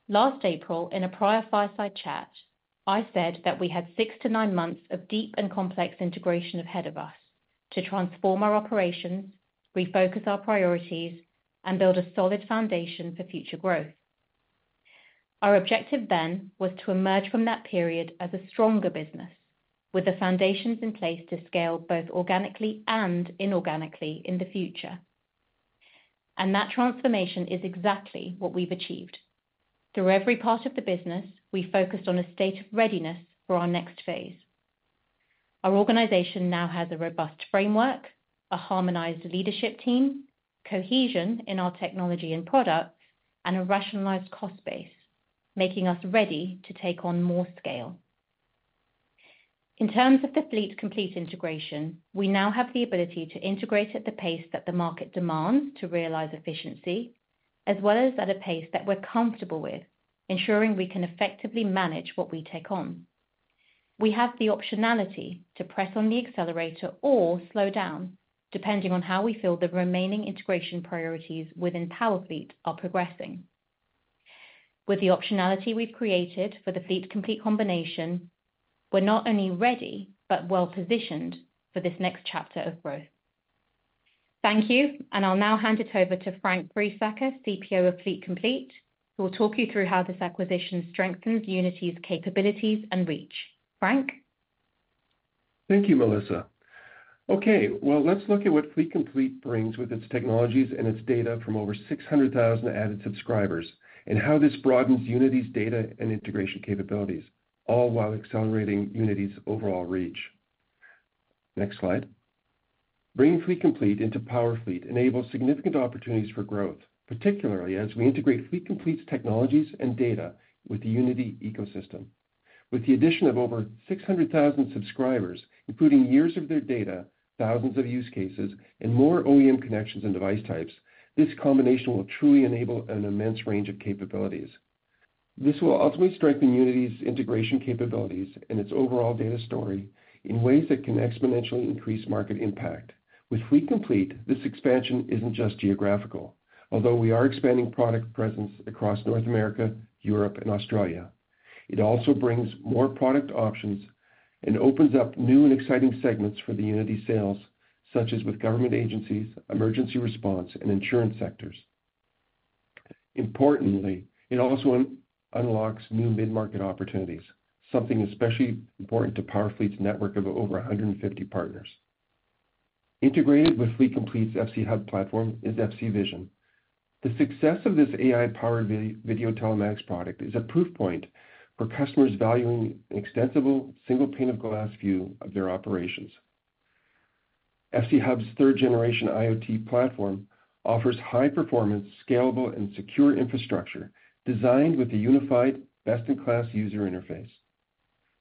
Last April, in a prior fireside chat, I said that we had six to nine months of deep and complex integration ahead of us to transform our operations, refocus our priorities, and build a solid foundation for future growth. Our objective then was to emerge from that period as a stronger business, with the foundations in place to scale both organically and inorganically in the future. That transformation is exactly what we've achieved. Through every part of the business, we focused on a state of readiness for our next phase. Our organization now has a robust framework, a harmonized leadership team, cohesion in our technology and product, and a rationalized cost base, making us ready to take on more scale. In terms of the Fleet Complete integration, we now have the ability to integrate at the pace that the market demands to realize efficiency, as well as at a pace that we're comfortable with, ensuring we can effectively manage what we take on. We have the optionality to press on the accelerator or slow down, depending on how we feel the remaining integration priorities within Powerfleet are progressing. With the optionality we've created for the Fleet Complete combination, we're not only ready, but well-positioned for this next chapter of growth. Thank you, and I'll now hand it over to Frank Friesacher, CPO of Fleet Complete, who will talk you through how this acquisition strengthens Unity's capabilities and reach. Frank? Thank you, Melissa. Okay, well, let's look at what Fleet Complete brings with its technologies and its data from over six hundred thousand added subscribers, and how this broadens Unity's data and integration capabilities, all while accelerating Unity's overall reach. Next slide. Bringing Fleet Complete into Powerfleet enables significant opportunities for growth, particularly as we integrate Fleet Complete's technologies and data with the Unity ecosystem. With the addition of over six hundred thousand subscribers, including years of their data, thousands of use cases, and more OEM connections and device types, this combination will truly enable an immense range of capabilities. This will ultimately strengthen Unity's integration capabilities and its overall data story in ways that can exponentially increase market impact. With Fleet Complete, this expansion isn't just geographical, although we are expanding product presence across North America, Europe, and Australia.... It also brings more product options and opens up new and exciting segments for the Unity sales, such as with government agencies, emergency response, and insurance sectors. Importantly, it also unlocks new mid-market opportunities, something especially important to Powerfleet's network of over 150 partners. Integrated with Fleet Complete's FC Hub platform is FC Vision. The success of this AI-powered video telematics product is a proof point for customers valuing an extensible, single pane of glass view of their operations. FC Hub's third generation IoT platform offers high performance, scalable and secure infrastructure designed with a unified, best-in-class user interface.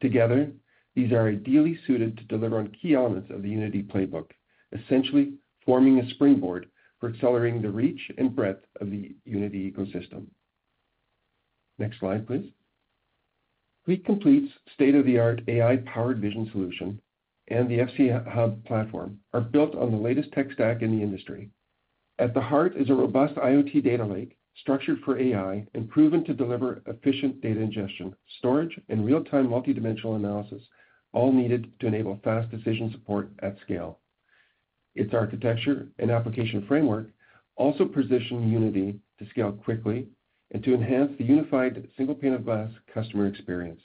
Together, these are ideally suited to deliver on key elements of the Unity playbook, essentially forming a springboard for accelerating the reach and breadth of the Unity ecosystem. Next slide, please. Fleet Complete's state-of-the-art AI-powered vision solution and the FC Hub platform are built on the latest tech stack in the industry. At the heart is a robust IoT data lake, structured for AI and proven to deliver efficient data ingestion, storage, and real-time multidimensional analysis, all needed to enable fast decision support at scale. Its architecture and application framework also position Unity to scale quickly and to enhance the unified single pane of glass customer experience.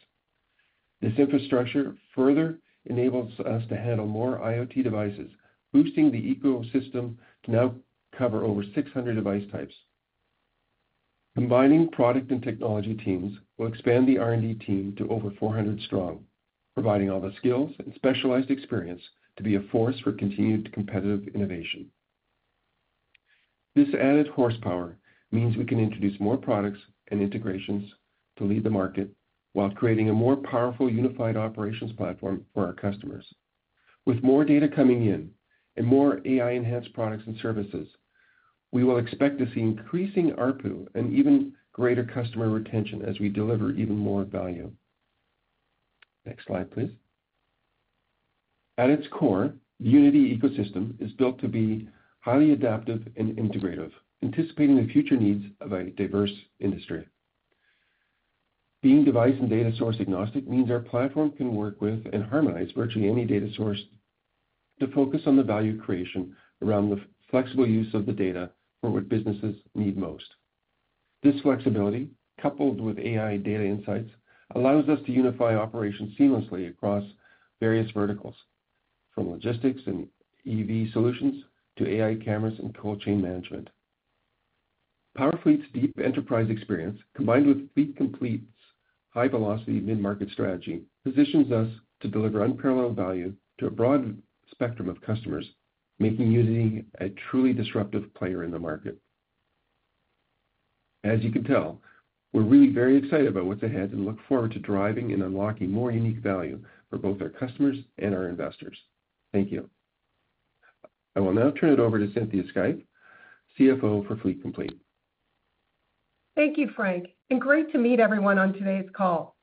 This infrastructure further enables us to handle more IoT devices, boosting the ecosystem to now cover over 600 device types. Combining product and technology teams will expand the R&D team to over 400 strong, providing all the skills and specialized experience to be a force for continued competitive innovation. This added horsepower means we can introduce more products and integrations to lead the market while creating a more powerful, unified operations platform for our customers. With more data coming in and more AI-enhanced products and services, we will expect to see increasing ARPU and even greater customer retention as we deliver even more value. Next slide, please. At its core, the Unity ecosystem is built to be highly adaptive and integrative, anticipating the future needs of a diverse industry. Being device and data source agnostic means our platform can work with and harmonize virtually any data source to focus on the value creation around the flexible use of the data for what businesses need most. This flexibility, coupled with AI data insights, allows us to unify operations seamlessly across various verticals, from logistics and EV solutions to AI cameras and cold chain management. Powerfleet's deep enterprise experience, combined with Fleet Complete's high-velocity mid-market strategy, positions us to deliver unparalleled value to a broad spectrum of customers, making Unity a truly disruptive player in the market. As you can tell, we're really very excited about what's ahead and look forward to driving and unlocking more unique value for both our customers and our investors. Thank you. I will now turn it over to Cynthia Scipa, CFO for Fleet Complete. Thank you, Frank, and great to meet everyone on today's call.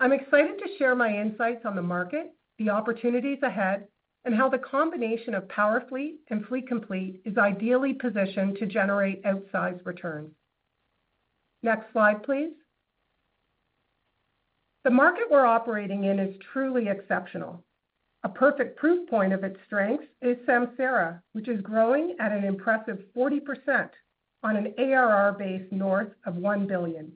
I'm excited to share my insights on the market, the opportunities ahead, and how the combination of Powerfleet and Fleet Complete is ideally positioned to generate outsized returns. Next slide, please. The market we're operating in is truly exceptional. A perfect proof point of its strengths is Samsara, which is growing at an impressive 40% on an ARR base north of $1 billion.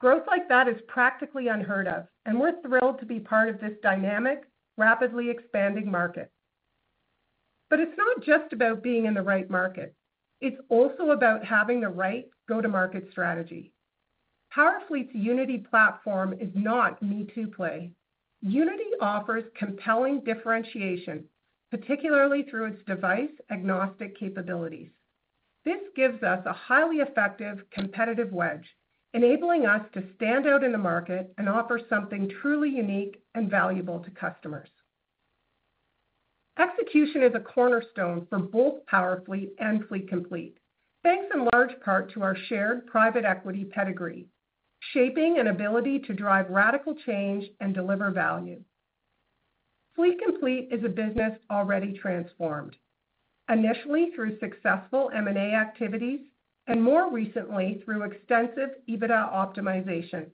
Growth like that is practically unheard of, and we're thrilled to be part of this dynamic, rapidly expanding market. But it's not just about being in the right market, it's also about having the right go-to-market strategy. Powerfleet's Unity platform is not me-too play. Unity offers compelling differentiation, particularly through its device-agnostic capabilities. This gives us a highly effective competitive wedge, enabling us to stand out in the market and offer something truly unique and valuable to customers. Execution is a cornerstone for both Powerfleet and Fleet Complete, thanks in large part to our shared private equity pedigree, shaping an ability to drive radical change and deliver value. Fleet Complete is a business already transformed, initially through successful M&A activities, and more recently through extensive EBITDA optimization.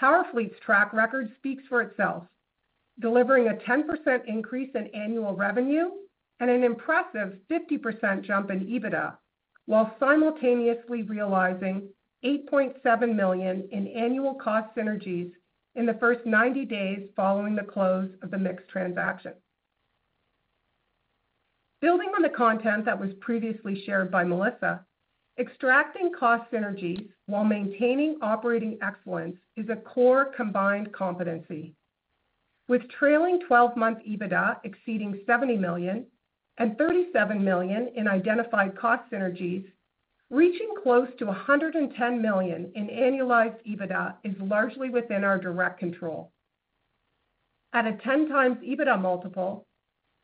Powerfleet's track record speaks for itself, delivering a 10% increase in annual revenue and an impressive 50% jump in EBITDA, while simultaneously realizing $8.7 million in annual cost synergies in the first 90 days following the close of the MiX transaction. Building on the content that was previously shared by Melissa, extracting cost synergies while maintaining operating excellence is a core combined competency. With trailing twelve-month EBITDA exceeding $70 million and $37 million in identified cost synergies, reaching close to $110 million in annualized EBITDA is largely within our direct control. At a 10 times EBITDA multiple,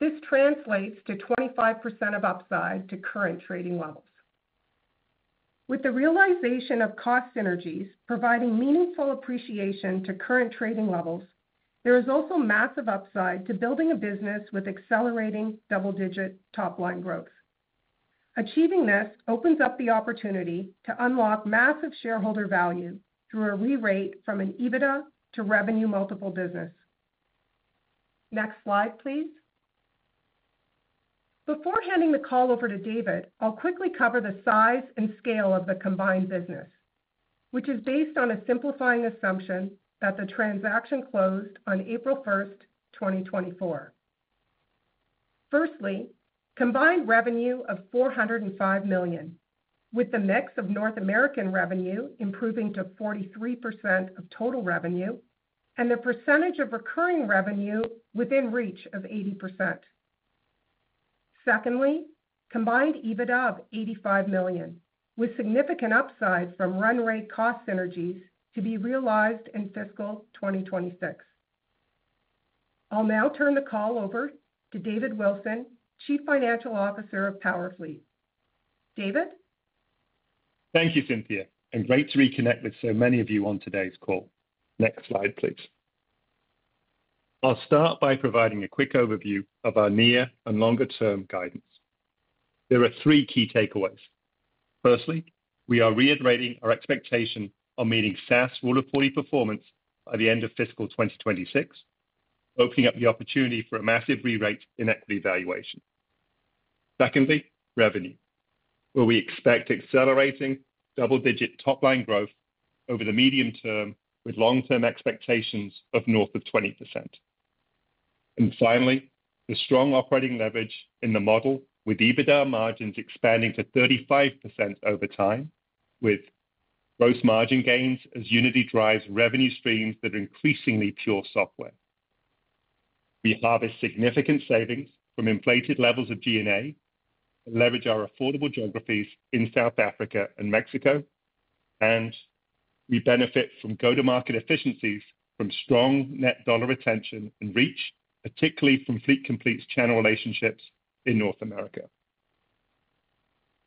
this translates to 25% of upside to current trading levels. With the realization of cost synergies providing meaningful appreciation to current trading levels, there is also massive upside to building a business with accelerating double-digit top-line growth, achieving this opens up the opportunity to unlock massive shareholder value through a re-rate from an EBITDA to revenue multiple business. Next slide, please. Before handing the call over to David, I'll quickly cover the size and scale of the combined business, which is based on a simplifying assumption that the transaction closed on April 1st, 2024. Firstly, combined revenue of $405 million, with the MiX of North American revenue improving to 43% of total revenue and the percentage of recurring revenue within reach of 80%. Secondly, combined EBITDA of $85 million, with significant upside from run rate cost synergies to be realized in fiscal 2026. I'll now turn the call over to David Wilson, Chief Financial Officer of Powerfleet. David? Thank you, Cynthia, and great to reconnect with so many of you on today's call. Next slide, please. I'll start by providing a quick overview of our near and longer-term guidance. There are three key takeaways. Firstly, we are reiterating our expectation of meeting SaaS Rule of 40 performance by the end of fiscal 2026, opening up the opportunity for a massive re-rate in equity valuation. Secondly, revenue, where we expect accelerating double-digit top-line growth over the medium term with long-term expectations of north of 20%. And finally, the strong operating leverage in the model with EBITDA margins expanding to 35% over time, with both margin gains as Unity drives revenue streams that are increasingly pure software. We harvest significant savings from inflated levels of G&A, leverage our affordable geographies in South Africa and Mexico, and we benefit from go-to-market efficiencies from strong net dollar retention and reach, particularly from Fleet Complete's channel relationships in North America.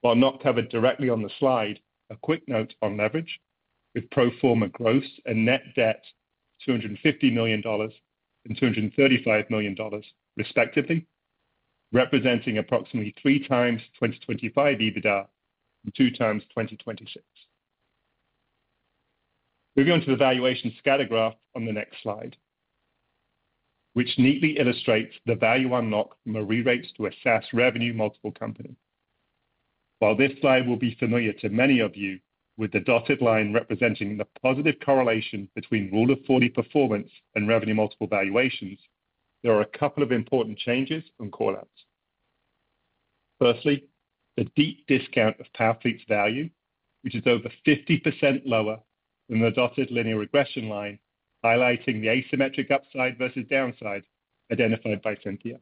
While not covered directly on the slide, a quick note on leverage with pro forma gross and net debt, $250 million and $235 million, respectively, representing approximately three times 2025 EBITDA and two times 2026. Moving on to the valuation scatter graph on the next slide, which neatly illustrates the value unlock from a re-rate to SaaS revenue multiple company. While this slide will be familiar to many of you, with the dotted line representing the positive correlation between Rule of 40 performance and revenue multiple valuations, there are a couple of important changes and call-outs. Firstly, the deep discount of Powerfleet's value, which is over 50% lower than the dotted linear regression line, highlighting the asymmetric upside versus downside identified by Cynthia.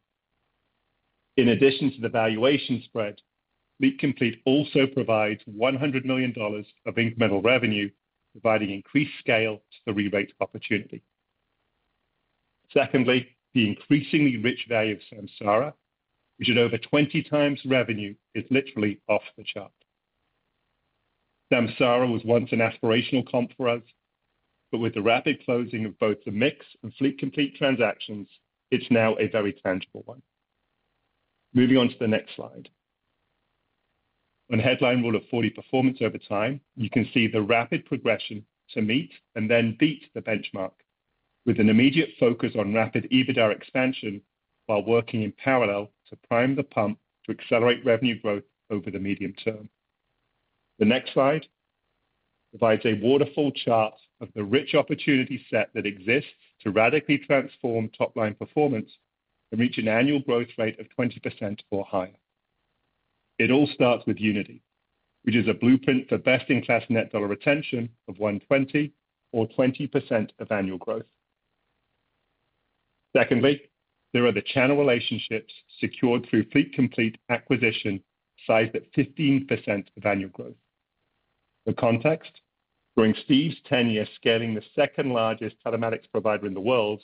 In addition to the valuation spread, Fleet Complete also provides $100 million of incremental revenue, providing increased scale to the re-rate opportunity. Secondly, the increasingly rich value of Samsara, which at over 20 times revenue, is literally off the chart. Samsara was once an aspirational comp for us, but with the rapid closing of both the MiX and Fleet Complete transactions, it's now a very tangible one. Moving on to the next slide. On headline Rule of 40 performance over time, you can see the rapid progression to meet and then beat the benchmark with an immediate focus on rapid EBITDA expansion while working in parallel to prime the pump to accelerate revenue growth over the medium term. The next slide provides a waterfall chart of the rich opportunity set that exists to radically transform top-line performance and reach an annual growth rate of 20% or higher. It all starts with Unity, which is a blueprint for best-in-class net dollar retention of 120 or 20% of annual growth. Secondly, there are the channel relationships secured through Fleet Complete acquisition, sized at 15% of annual growth. The context, during Steve's tenure scaling the second-largest telematics provider in the world,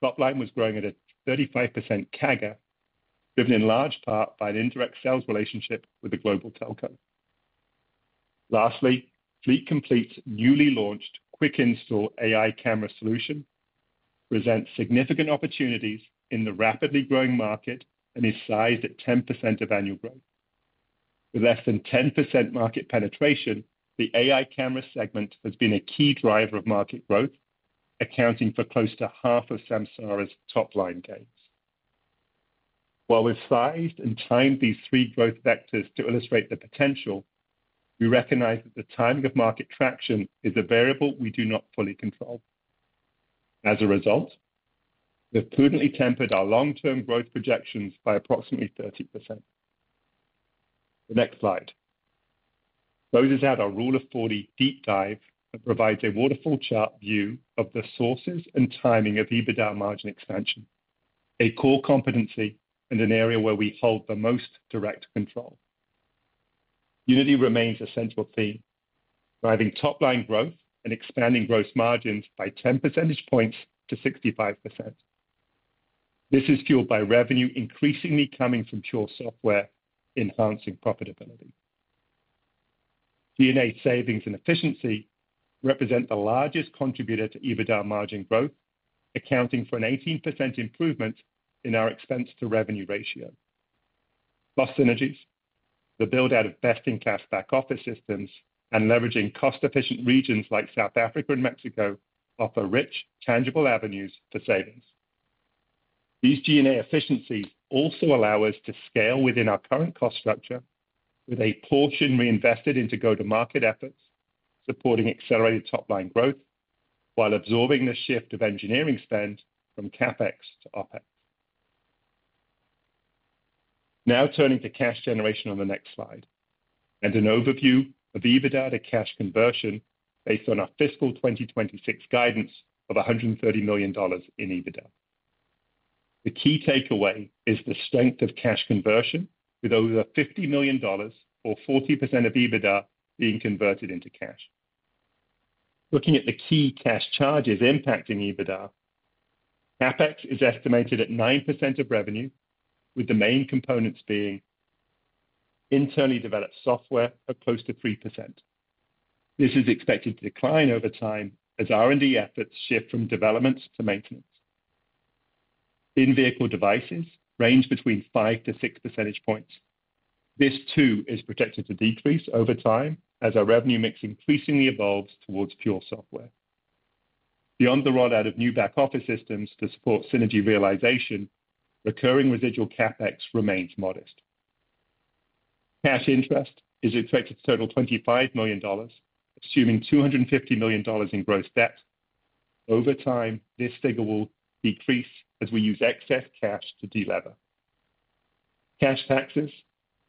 top line was growing at a 35% CAGR, driven in large part by an indirect sales relationship with the global telco. Lastly, Fleet Complete's newly launched quick Install AI camera solution presents significant opportunities in the rapidly growing market and is sized at 10% of annual growth. With less than 10% market penetration, the AI camera segment has been a key driver of market growth, accounting for close to half of Samsara's top-line gains. While we've sized and timed these three growth vectors to illustrate the potential, we recognize that the timing of market traction is a variable we do not fully control. As a result, we've prudently tempered our long-term growth projections by approximately 30%. The next slide closes out our Rule of 40 deep dive that provides a waterfall chart view of the sources and timing of EBITDA margin expansion, a core competency and an area where we hold the most direct control. Unity remains a central theme, driving top-line growth and expanding gross margins by 10 percentage points to 65%. This is fueled by revenue increasingly coming from pure software, enhancing profitability.... G&A savings and efficiency represent the largest contributor to EBITDA margin growth, accounting for an 18% improvement in our expense to revenue ratio. Cost synergies, the build-out of best-in-class back office systems, and leveraging cost-efficient regions like South Africa and Mexico offer rich, tangible avenues to savings. These G&A efficiencies also allow us to scale within our current cost structure, with a portion reinvested into go-to-market efforts, supporting accelerated top-line growth while absorbing the shift of engineering spend from CapEx to OpEx. Now turning to cash generation on the next slide, and an overview of EBITDA to cash conversion based on our fiscal 2026 guidance of $130 million in EBITDA. The key takeaway is the strength of cash conversion, with over $50 million, or 40% of EBITDA, being converted into cash. Looking at the key cash charges impacting EBITDA, CapEx is estimated at 9% of revenue, with the main components being internally developed software of close to 3%. This is expected to decline over time as R&D efforts shift from development to maintenance. In-vehicle devices range between 5-6 percentage points. This, too, is projected to decrease over time as our revenue MiX increasingly evolves towards pure software. Beyond the roll out of new back office systems to support synergy realization, recurring residual CapEx remains modest. Cash interest is expected to total $25 million, assuming $250 million in gross debt. Over time, this figure will decrease as we use excess cash to delever. Cash taxes,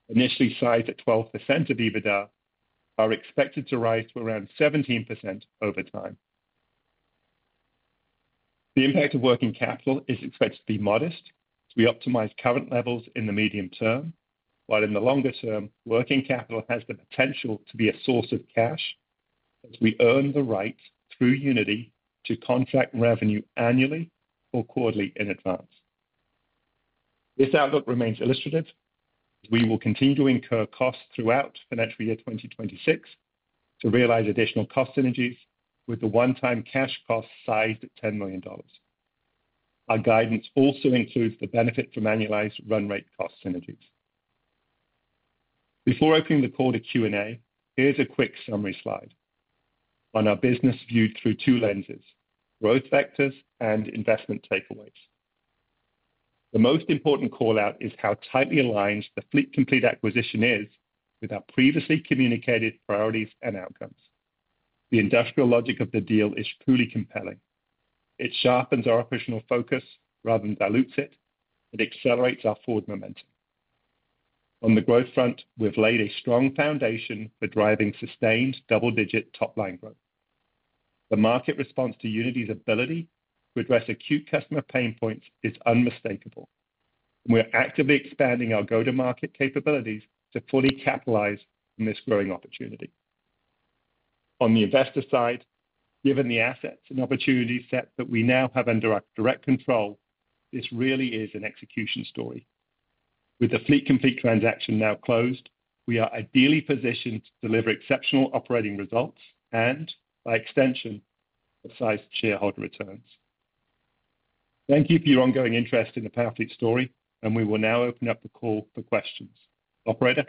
initially sized at 12% of EBITDA, are expected to rise to around 17% over time. The impact of working capital is expected to be modest as we optimize current levels in the medium term, while in the longer term, working capital has the potential to be a source of cash as we earn the right through Unity to contract revenue annually or quarterly in advance. This outlook remains illustrative. We will continue to incur costs throughout financial year 2026 to realize additional cost synergies with the one-time cash cost sized at $10 million. Our guidance also includes the benefit from annualized run rate cost synergies. Before opening the call to Q&A, here's a quick summary slide on our business viewed through two lenses, growth vectors and investment takeaways. The most important call-out is how tightly aligned the Fleet Complete acquisition is with our previously communicated priorities and outcomes. The industrial logic of the deal is truly compelling. It sharpens our operational focus rather than dilutes it and accelerates our forward momentum. On the growth front, we've laid a strong foundation for driving sustained double-digit top-line growth. The market response to Unity's ability to address acute customer pain points is unmistakable. We're actively expanding our go-to-market capabilities to fully capitalize on this growing opportunity. On the investor side, given the assets and opportunity set that we now have under our direct control, this really is an execution story. With the Fleet Complete transaction now closed, we are ideally positioned to deliver exceptional operating results and, by extension, precise shareholder returns. Thank you for your ongoing interest in the Powerfleet story, and we will now open up the call for questions. Operator?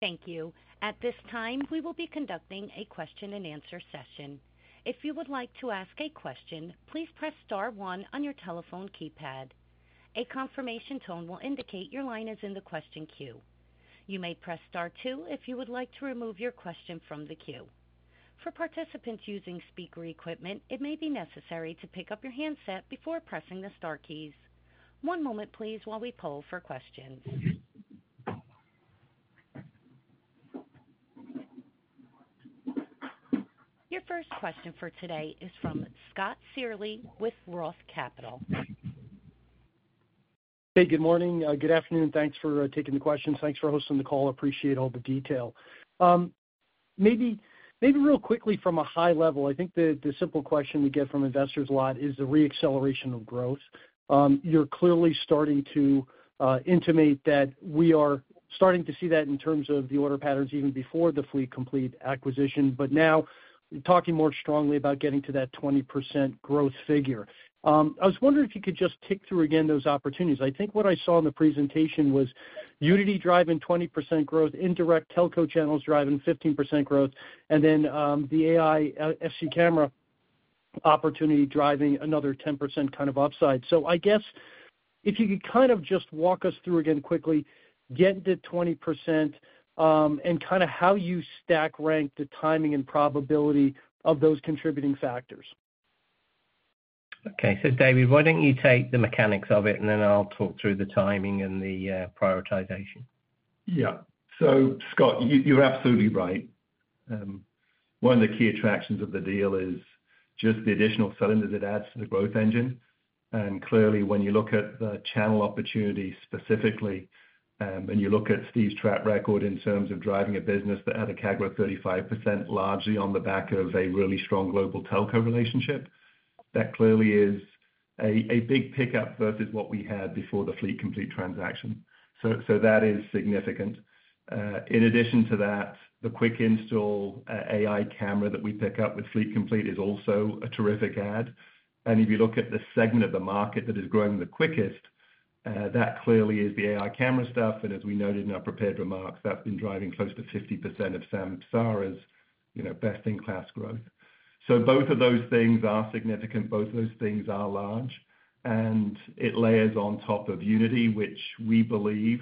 Thank you. At this time, we will be conducting a question-and-answer session. If you would like to ask a question, please press star one on your telephone keypad. A confirmation tone will indicate your line is in the question queue. You may press star two if you would like to remove your question from the queue. For participants using speaker equipment, it may be necessary to pick up your handset before pressing the star keys. One moment, please, while we poll for questions. Your first question for today is from Scott Searle with Roth Capital Partners. Hey, good morning, good afternoon, and thanks for taking the questions. Thanks for hosting the call. Appreciate all the detail. Maybe real quickly from a high level, I think the simple question we get from investors a lot is the re-acceleration of growth. You're clearly starting to indicate that we are starting to see that in terms of the order patterns even before the Fleet Complete acquisition, but now talking more strongly about getting to that 20% growth figure. I was wondering if you could just tick through again those opportunities. I think what I saw in the presentation was Unity driving 20% growth, indirect telco channels driving 15% growth, and then the AI FC camera opportunity driving another 10% kind of upside. So I guess if you could kind of just walk us through again quickly, getting to 20%, and kind of how you stack rank the timing and probability of those contributing factors. Okay, so David, why don't you take the mechanics of it, and then I'll talk through the timing and the prioritization. Yeah. So Scott, you, you're absolutely right. One of the key attractions of the deal is just the additional cylinders it adds to the growth engine. And clearly, when you look at the channel opportunity specifically, and you look at Steve's track record in terms of driving a business that had a CAGR of 35%, largely on the back of a really strong global telco relationship, that clearly is a big pickup versus what we had before the Fleet Complete transaction. So, so that is significant. In addition to that, the quick install, AI camera that we pick up with Fleet Complete is also a terrific add. And if you look at the segment of the market that is growing the quickest, that clearly is the AI camera stuff, and as we noted in our prepared remarks, that's been driving close to 50% of Samsara's, you know, best-in-class growth. So both of those things are significant, both of those things are large, and it layers on top of Unity, which we believe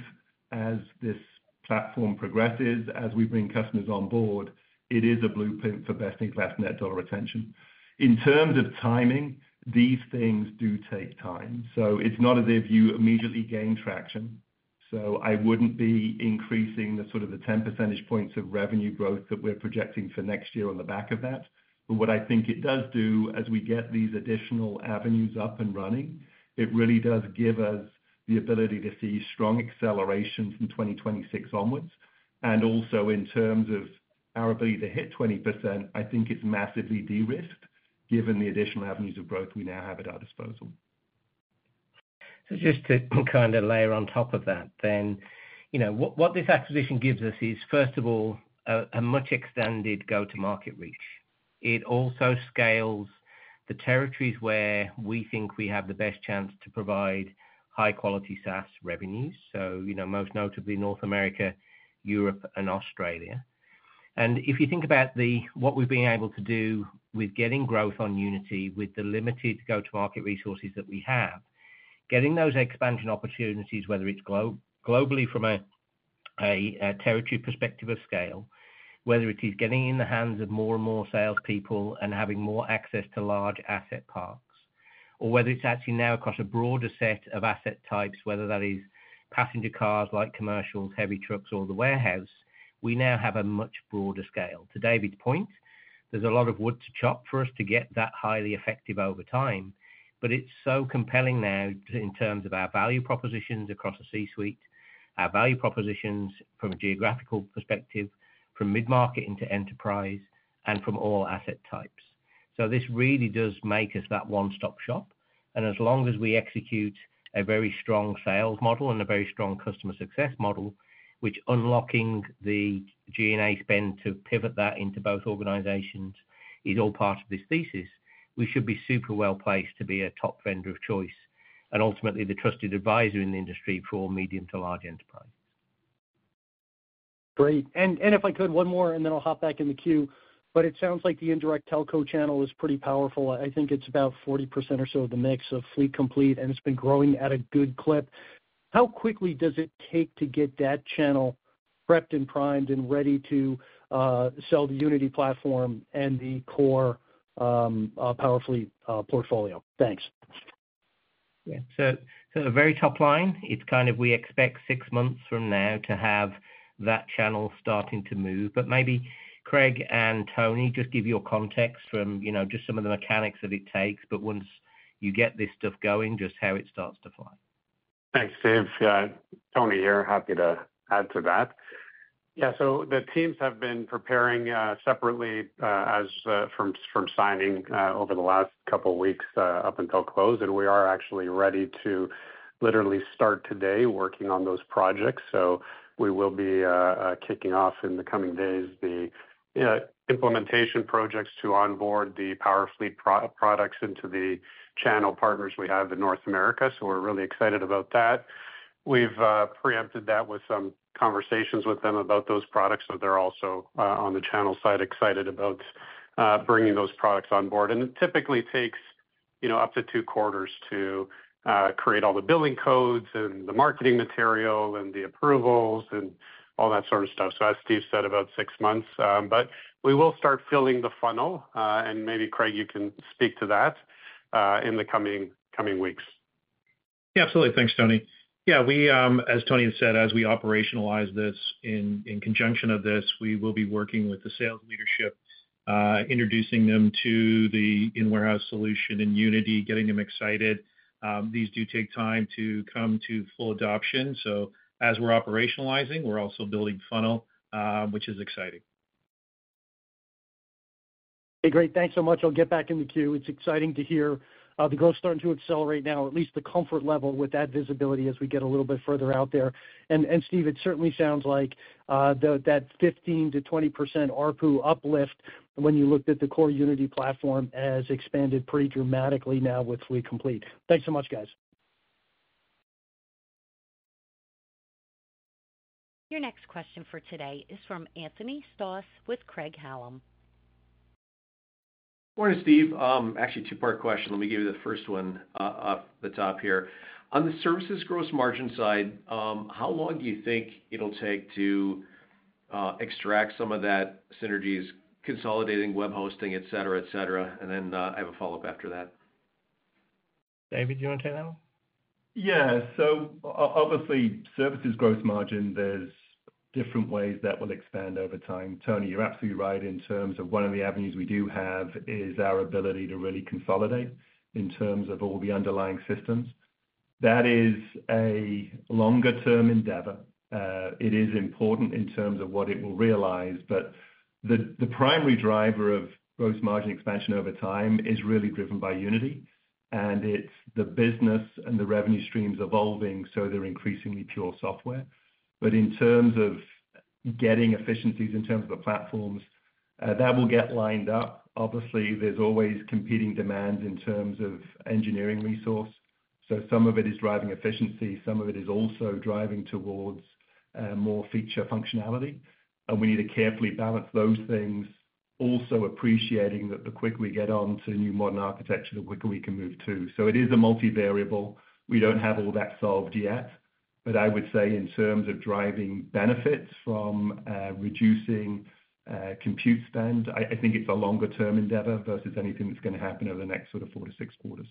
as this platform progresses, as we bring customers on board, it is a blueprint for best-in-class net dollar retention. In terms of timing, these things do take time, so it's not as if you immediately gain traction. So I wouldn't be increasing the sort of the 10 percentage points of revenue growth that we're projecting for next year on the back of that. But what I think it does do, as we get these additional avenues up and running, it really does give us the ability to see strong acceleration from 2026 onwards, and also in terms of our ability to hit 20%, I think it's massively de-risked, given the additional avenues of growth we now have at our disposal. So just to kind of layer on top of that, then, you know, what this acquisition gives us is, first of all, a much extended go-to-market reach. It also scales the territories where we think we have the best chance to provide high-quality SaaS revenues, so, you know, most notably North America, Europe, and Australia. And if you think about the, what we've been able to do with getting growth on Unity, with the limited go-to-market resources that we have, getting those expansion opportunities, whether it's globally from a territory perspective of scale, whether it is getting in the hands of more and more salespeople and having more access to large asset parks, or whether it's actually now across a broader set of asset types, whether that is passenger cars, light commercials, heavy trucks or the warehouse, we now have a much broader scale. To David's point, there's a lot of wood to chop for us to get that highly effective over time, but it's so compelling now in terms of our value propositions across the C-suite, our value propositions from a geographical perspective, from mid-market into enterprise, and from all asset types. So this really does make us that one-stop shop. And as long as we execute a very strong sales model and a very strong customer success model, which unlocking the G&A spend to pivot that into both organizations, is all part of this thesis, we should be super well placed to be a top vendor of choice and ultimately the trusted advisor in the industry for medium to large enterprise. Great. And if I could, one more, and then I'll hop back in the queue. But it sounds like the indirect telco channel is pretty powerful. I think it's about 40% or so of the MiX of Fleet Complete, and it's been growing at a good clip. How quickly does it take to get that channel prepped and primed and ready to sell the Unity platform and the core, Powerfleet, portfolio? Thanks. Yeah. So the very top line, it's kind of, we expect six months from now to have that channel starting to move. But maybe Craig and Tony, just give you your context from, you know, just some of the mechanics that it takes, but once you get this stuff going, just how it starts to fly. Thanks, Steve. Tony here. Happy to add to that. Yeah, so the teams have been preparing separately as from signing over the last couple weeks up until close, and we are actually ready to literally start today working on those projects. So we will be kicking off in the coming days the implementation projects to onboard the Powerfleet products into the channel partners we have in North America. So we're really excited about that. We've preempted that with some conversations with them about those products, so they're also on the channel side excited about bringing those products on board. It typically takes, you know, up to two quarters to create all the billing codes and the marketing material and the approvals and all that sort of stuff. So as Steve said, about six months, but we will start filling the funnel, and maybe, Craig, you can speak to that, in the coming weeks. Yeah, absolutely. Thanks, Tony. Yeah, we, as Tony has said, as we operationalize this, in conjunction of this, we will be working with the sales leadership, introducing them to the in-warehouse solution in Unity, getting them excited. These do take time to come to full adoption, so as we're operationalizing, we're also building funnel, which is exciting. Hey, great. Thanks so much. I'll get back in the queue. It's exciting to hear the growth starting to accelerate now, at least the comfort level with that visibility as we get a little bit further out there. And Steve, it certainly sounds like that 15%-20% ARPU uplift when you looked at the core Unity platform has expanded pretty dramatically now with Fleet Complete. Thanks so much, guys. Your next question for today is from Anthony Stoss with Craig-Hallum. Morning, Steve. Actually two-part question. Let me give you the first one off the top here. On the services gross margin side, how long do you think it'll take to extract some of that synergies, consolidating web hosting, et cetera, et cetera? And then, I have a follow-up after that. David, do you want to take that one? Yeah. So obviously, services gross margin, there's different ways that will expand over time. Tony, you're absolutely right, in terms of one of the avenues we do have is our ability to really consolidate in terms of all the underlying systems. That is a longer term endeavor. It is important in terms of what it will realize, but the primary driver of gross margin expansion over time is really driven by Unity, and it's the business and the revenue streams evolving, so they're increasingly pure software. But in terms of getting efficiencies, in terms of the platforms, that will get lined up. Obviously, there's always competing demands in terms of engineering resource, so some of it is driving efficiency, some of it is also driving towards more feature functionality, and we need to carefully balance those things. Also appreciating that the quicker we get on to new modern architecture, the quicker we can move, too. So it is a multivariable. We don't have all that solved yet, but I would say in terms of driving benefits from reducing compute spend, I think it's a longer term endeavor versus anything that's gonna happen over the next sort of four to six quarters.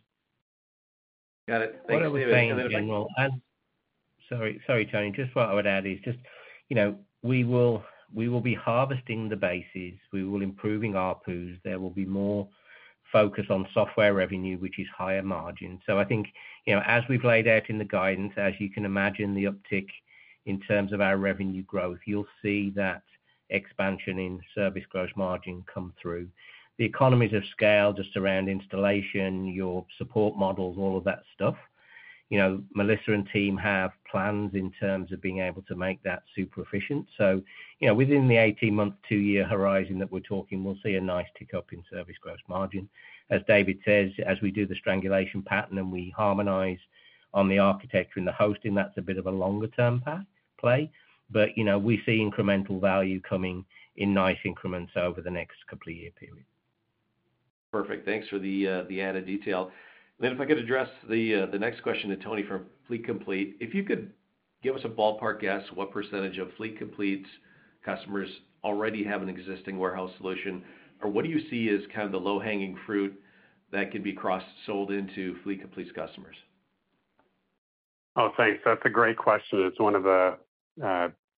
Got it. Thank you, David- What I was saying, in general, and sorry, sorry, Tony, just what I would add is just, you know, we will, we will be harvesting the bases, we will improving ARPU. There will be more focus on software revenue, which is higher margin. So I think, you know, as we've laid out in the guidance, as you can imagine, the uptick in terms of our revenue growth, you'll see that expansion in service gross margin come through. The economies of scale, just around installation, your support models, all of that stuff, you know, Melissa and team have plans in terms of being able to make that super efficient. So, you know, within the 18-month, two-year horizon that we're talking, we'll see a nice tick up in service gross margin. As David says, as we do the integration pattern, and we harmonize on the architecture and the hosting, that's a bit of a longer term path play, but, you know, we see incremental value coming in nice increments over the next complete year period. Perfect. Thanks for the added detail. Then if I could address the next question to Tony from Fleet Complete. If you could give us a ballpark guess, what percentage of Fleet Complete customers already have an existing warehouse solution? Or what do you see as kind of the low-hanging fruit that can be cross-sold into Fleet Complete's customers? Oh, thanks. That's a great question. It's one of the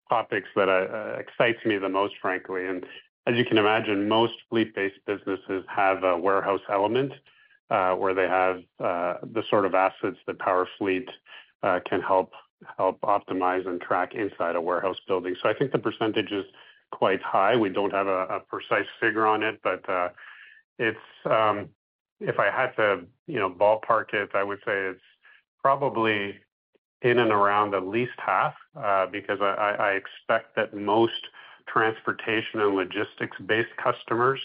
topics that excites me the most, frankly. And as you can imagine, most fleet-based businesses have a warehouse element, where they have the sort of assets that Powerfleet can help optimize and track inside a warehouse building. So I think the percentage is quite high. We don't have a precise figure on it, but it's if I had to, you know, ballpark it, I would say it's probably in and around at least half, because I expect that most transportation and logistics-based customers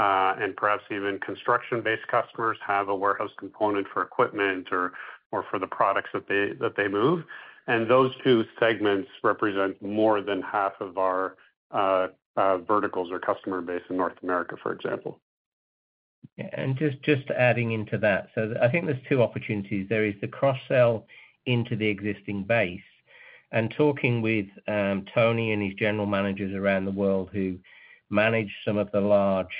and perhaps even construction-based customers have a warehouse component for equipment or for the products that they move. And those two segments represent more than half of our verticals or customer base in North America, for example. Yeah, and just, just adding into that. So I think there's two opportunities. There is the cross-sell into the existing base, and talking with Tony and his general managers around the world, who manage some of the large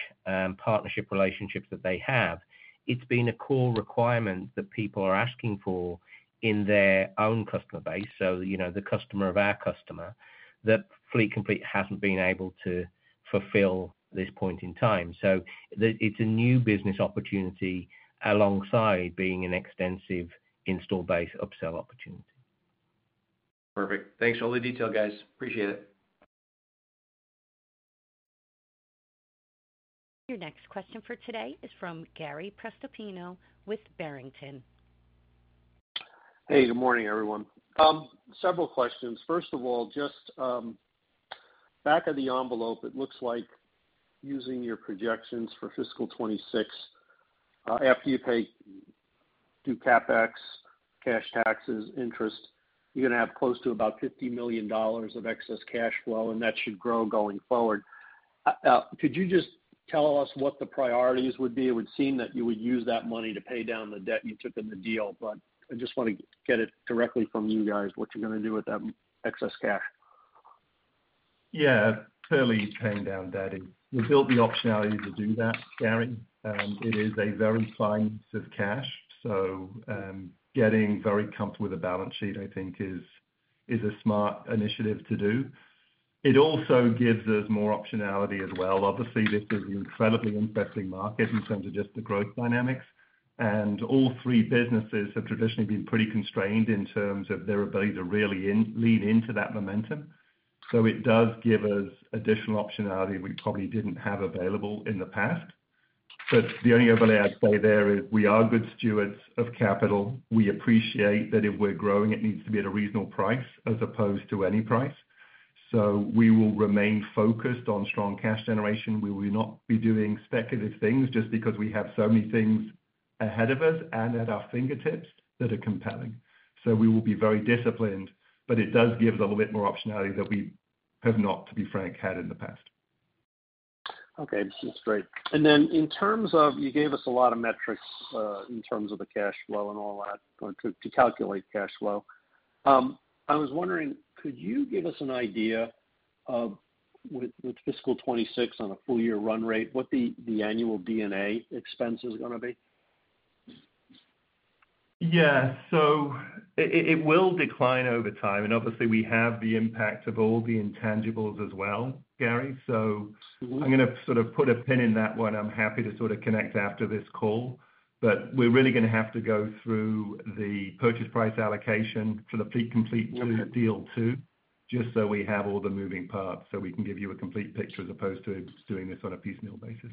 partnership relationships that they have, it's been a core requirement that people are asking for in their own customer base. So, you know, the customer of our customer, that Fleet Complete hasn't been able to fulfill this point in time. So it's a new business opportunity alongside being an extensive installed base, upsell opportunity. Perfect. Thanks for all the detail, guys. Appreciate it. Your next question for today is from Gary Prestopino with Barrington. Hey, good morning, everyone. Several questions. First of all, just, back of the envelope, it looks like using your projections for fiscal 2026, after you pay, do CapEx, cash taxes, interest, you're gonna have close to about $50 million of excess cash flow, and that should grow going forward. Could you just tell us what the priorities would be? It would seem that you would use that money to pay down the debt you took in the deal, but I just want to get it directly from you guys, what you're gonna do with that excess cash. Yeah, clearly, paying down debt. We built the optionality to do that, Gary. It is a very fine piece of cash, so, getting very comfortable with the balance sheet, I think is a smart initiative to do. It also gives us more optionality as well. Obviously, this is an incredibly interesting market in terms of just the growth dynamics, and all three businesses have traditionally been pretty constrained in terms of their ability to really lean into that momentum. So it does give us additional optionality we probably didn't have available in the past. But the only overlay I'd say there is, we are good stewards of capital. We appreciate that if we're growing, it needs to be at a reasonable price as opposed to any price. So we will remain focused on strong cash generation. We will not be doing speculative things just because we have so many things ahead of us and at our fingertips that are compelling. So we will be very disciplined, but it does give us a little bit more optionality that we have not, to be frank, had in the past. Okay, that's great. And then, in terms of... You gave us a lot of metrics in terms of the cash flow and all that, or to calculate cash flow. I was wondering, could you give us an idea of, with fiscal 2026 on a full year run rate, what the annual G&A expense is gonna be? Yeah, so it will decline over time, and obviously, we have the impact of all the intangibles as well, Gary. Mm-hmm. So I'm gonna sort of put a pin in that one. I'm happy to sort of connect after this call, but we're really gonna have to go through the purchase price allocation for the Fleet Complete- Mm-hmm deal, too. Just so we have all the moving parts, so we can give you a complete picture, as opposed to just doing this on a piecemeal basis.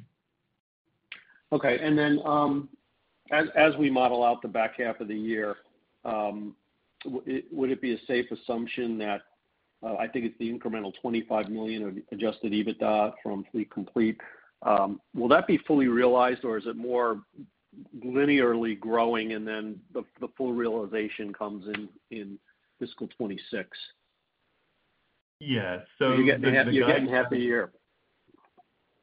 Okay. And then, as we model out the back half of the year, would it be a safe assumption that I think it's the incremental $25 million of Adjusted EBITDA from Fleet Complete will that be fully realized, or is it more linearly growing, and then the full realization comes in fiscal 2026? Yeah. So- You're getting half a year.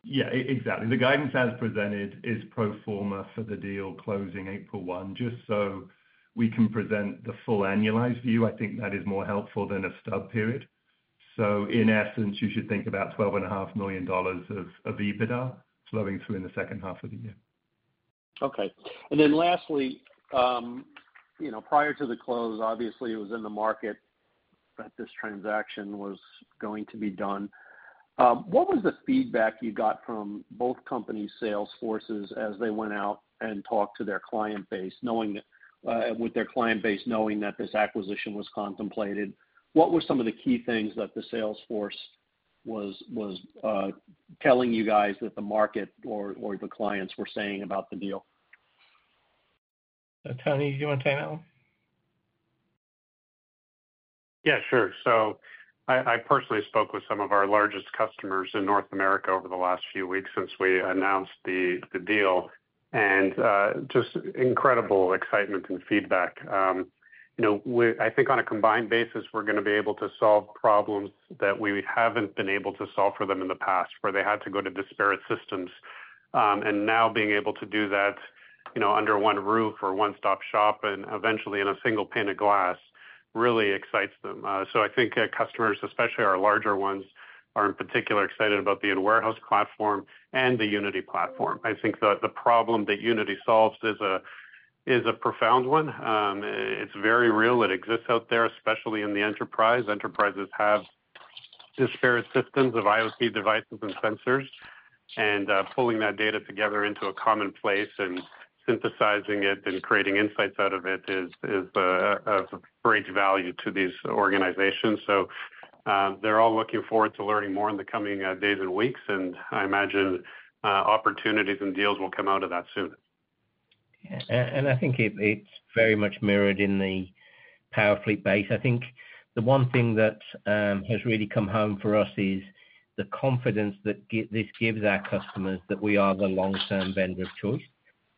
Yeah, exactly. The guidance as presented is pro forma for the deal closing April one, just so we can present the full annualized view. I think that is more helpful than a stub period. So in essence, you should think about $12.5 million of EBITDA flowing through in the second half of the year. Okay. And then lastly, you know, prior to the close, obviously, it was in the market that this transaction was going to be done. What was the feedback you got from both companies' sales forces as they went out and talked to their client base, knowing that with their client base, knowing that this acquisition was contemplated? What were some of the key things that the sales force was telling you guys that the market or the clients were saying about the deal? Tony, do you want to take that one? Yeah, sure. So I personally spoke with some of our largest customers in North America over the last few weeks since we announced the deal, and just incredible excitement and feedback. You know, we. I think on a combined basis, we're gonna be able to solve problems that we haven't been able to solve for them in the past, where they had to go to disparate systems. And now being able to do that, you know, under one roof or one-stop shop, and eventually in a single pane of glass, really excites them. So I think, customers, especially our larger ones, are in particular excited about the in-warehouse platform and the Unity platform. I think the problem that Unity solves is a profound one. It's very real. It exists out there, especially in the enterprise. Enterprises have disparate systems of IoT devices and sensors, and pulling that data together into a common place and synthesizing it and creating insights out of it is of great value to these organizations. So, they're all looking forward to learning more in the coming days and weeks, and I imagine opportunities and deals will come out of that soon. Yeah. And I think it, it's very much mirrored in the Powerfleet base. I think the one thing that has really come home for us is the confidence that this gives our customers, that we are the long-term vendor of choice,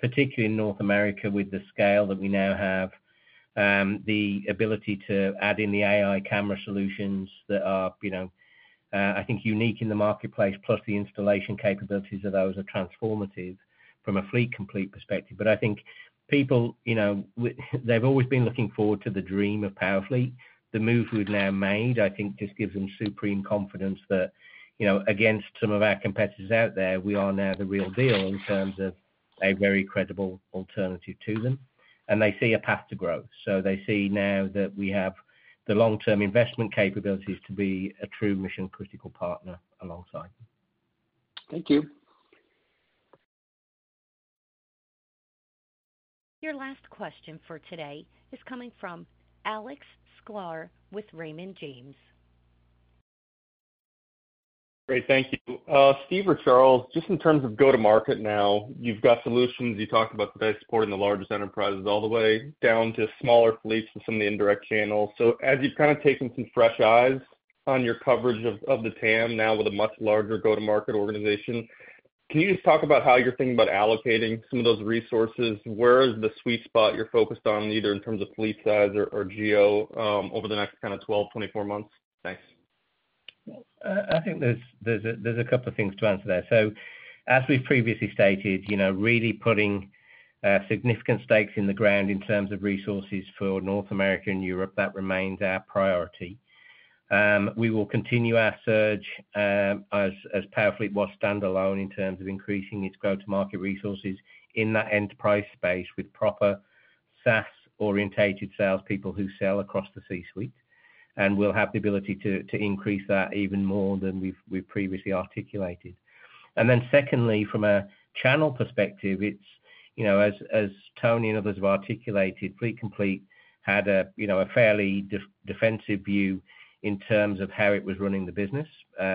particularly in North America, with the scale that we now have. The ability to add in the AI camera solutions that are, you know, I think unique in the marketplace, plus the installation capabilities of those, are transformative from a Fleet Complete perspective. But I think people, you know, they've always been looking forward to the dream of Powerfleet. The move we've now made, I think, just gives them supreme confidence that, you know, against some of our competitors out there, we are now the real deal in terms of a very credible alternative to them. They see a path to growth, so they see now that we have the long-term investment capabilities to be a true mission-critical partner alongside them. Thank you. Your last question for today is coming from Alex Sklar with Raymond James. Great. Thank you. Steve or Charles, just in terms of go-to-market now, you've got solutions. You talked about today supporting the largest enterprises all the way down to smaller fleets and some of the indirect channels. So as you've kind of taken some fresh eyes on your coverage of the TAM, now with a much larger go-to-market organization, can you just talk about how you're thinking about allocating some of those resources? Where is the sweet spot you're focused on, either in terms of fleet size or geo, over the next kind of twelve, twenty-four months? Thanks. I think there's a couple of things to answer there, so as we've previously stated, you know, really putting significant stakes in the ground in terms of resources for North America and Europe, that remains our priority. We will continue our surge as Powerfleet was standalone in terms of increasing its go-to-market resources in that enterprise space with proper SaaS-oriented salespeople who sell across the C-suite, and we'll have the ability to increase that even more than we've previously articulated, and then secondly, from a channel perspective, it's, you know, as Tony and others have articulated, Fleet Complete had a, you know, a fairly defensive view in terms of how it was running the business,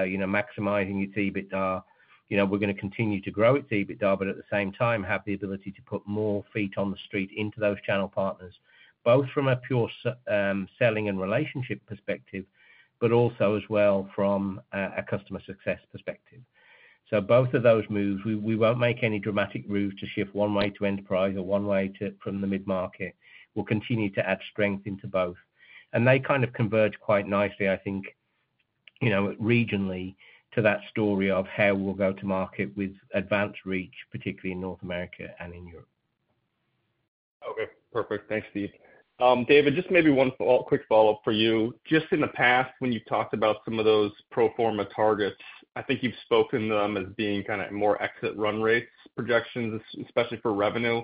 you know, maximizing its EBITDA. You know, we're gonna continue to grow its EBITDA, but at the same time, have the ability to put more feet on the street into those channel partners, both from a pure selling and relationship perspective, but also as well from a customer success perspective. So both of those moves, we won't make any dramatic moves to shift one way to enterprise or one way to from the mid-market. We'll continue to add strength into both. And they kind of converge quite nicely, I think, you know, regionally, to that story of how we'll go to market with advanced reach, particularly in North America and in Europe. Okay, perfect. Thanks, Steve. David, just maybe one quick follow-up for you. Just in the past, when you've talked about some of those pro forma targets, I think you've spoken to them as being kinda more exit run rates projections, especially for revenue,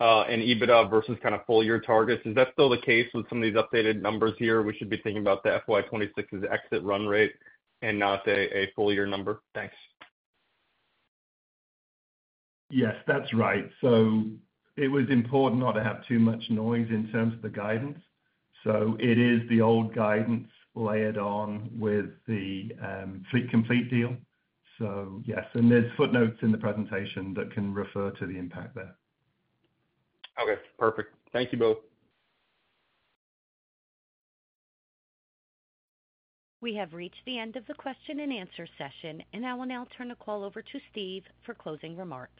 and EBITDA versus kind of full year targets. Is that still the case with some of these updated numbers here? We should be thinking about the FY 2026's exit run rate and not a full year number? Thanks. Yes, that's right. So it was important not to have too much noise in terms of the guidance. So it is the old guidance layered on with the Fleet Complete deal. So yes, and there's footnotes in the presentation that can refer to the impact there. Okay, perfect. Thank you both. We have reached the end of the question and answer session, and I will now turn the call over to Steve for closing remarks.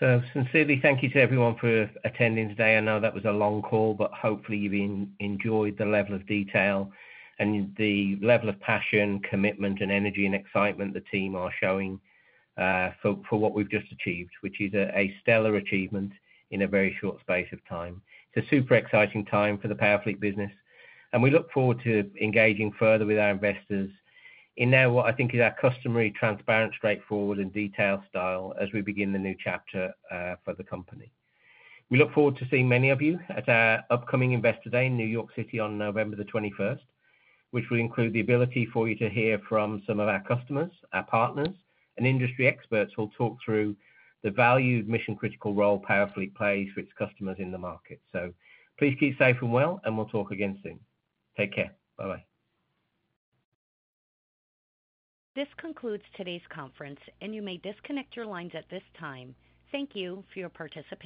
So sincerely, thank you to everyone for attending today. I know that was a long call, but hopefully you've enjoyed the level of detail and the level of passion, commitment, and energy and excitement the team are showing for what we've just achieved, which is a stellar achievement in a very short space of time. It's a super exciting time for the Powerfleet business, and we look forward to engaging further with our investors in the what I think is our customary, transparent, straightforward, and detailed style as we begin the new chapter for the company. We look forward to seeing many of you at our upcoming Investor Day in New York City on November the twenty-first, which will include the ability for you to hear from some of our customers, our partners, and industry experts who'll talk through the valued mission-critical role Powerfleet plays for its customers in the market. So please keep safe and well, and we'll talk again soon. Take care. Bye-bye. This concludes today's conference, and you may disconnect your lines at this time. Thank you for your participation.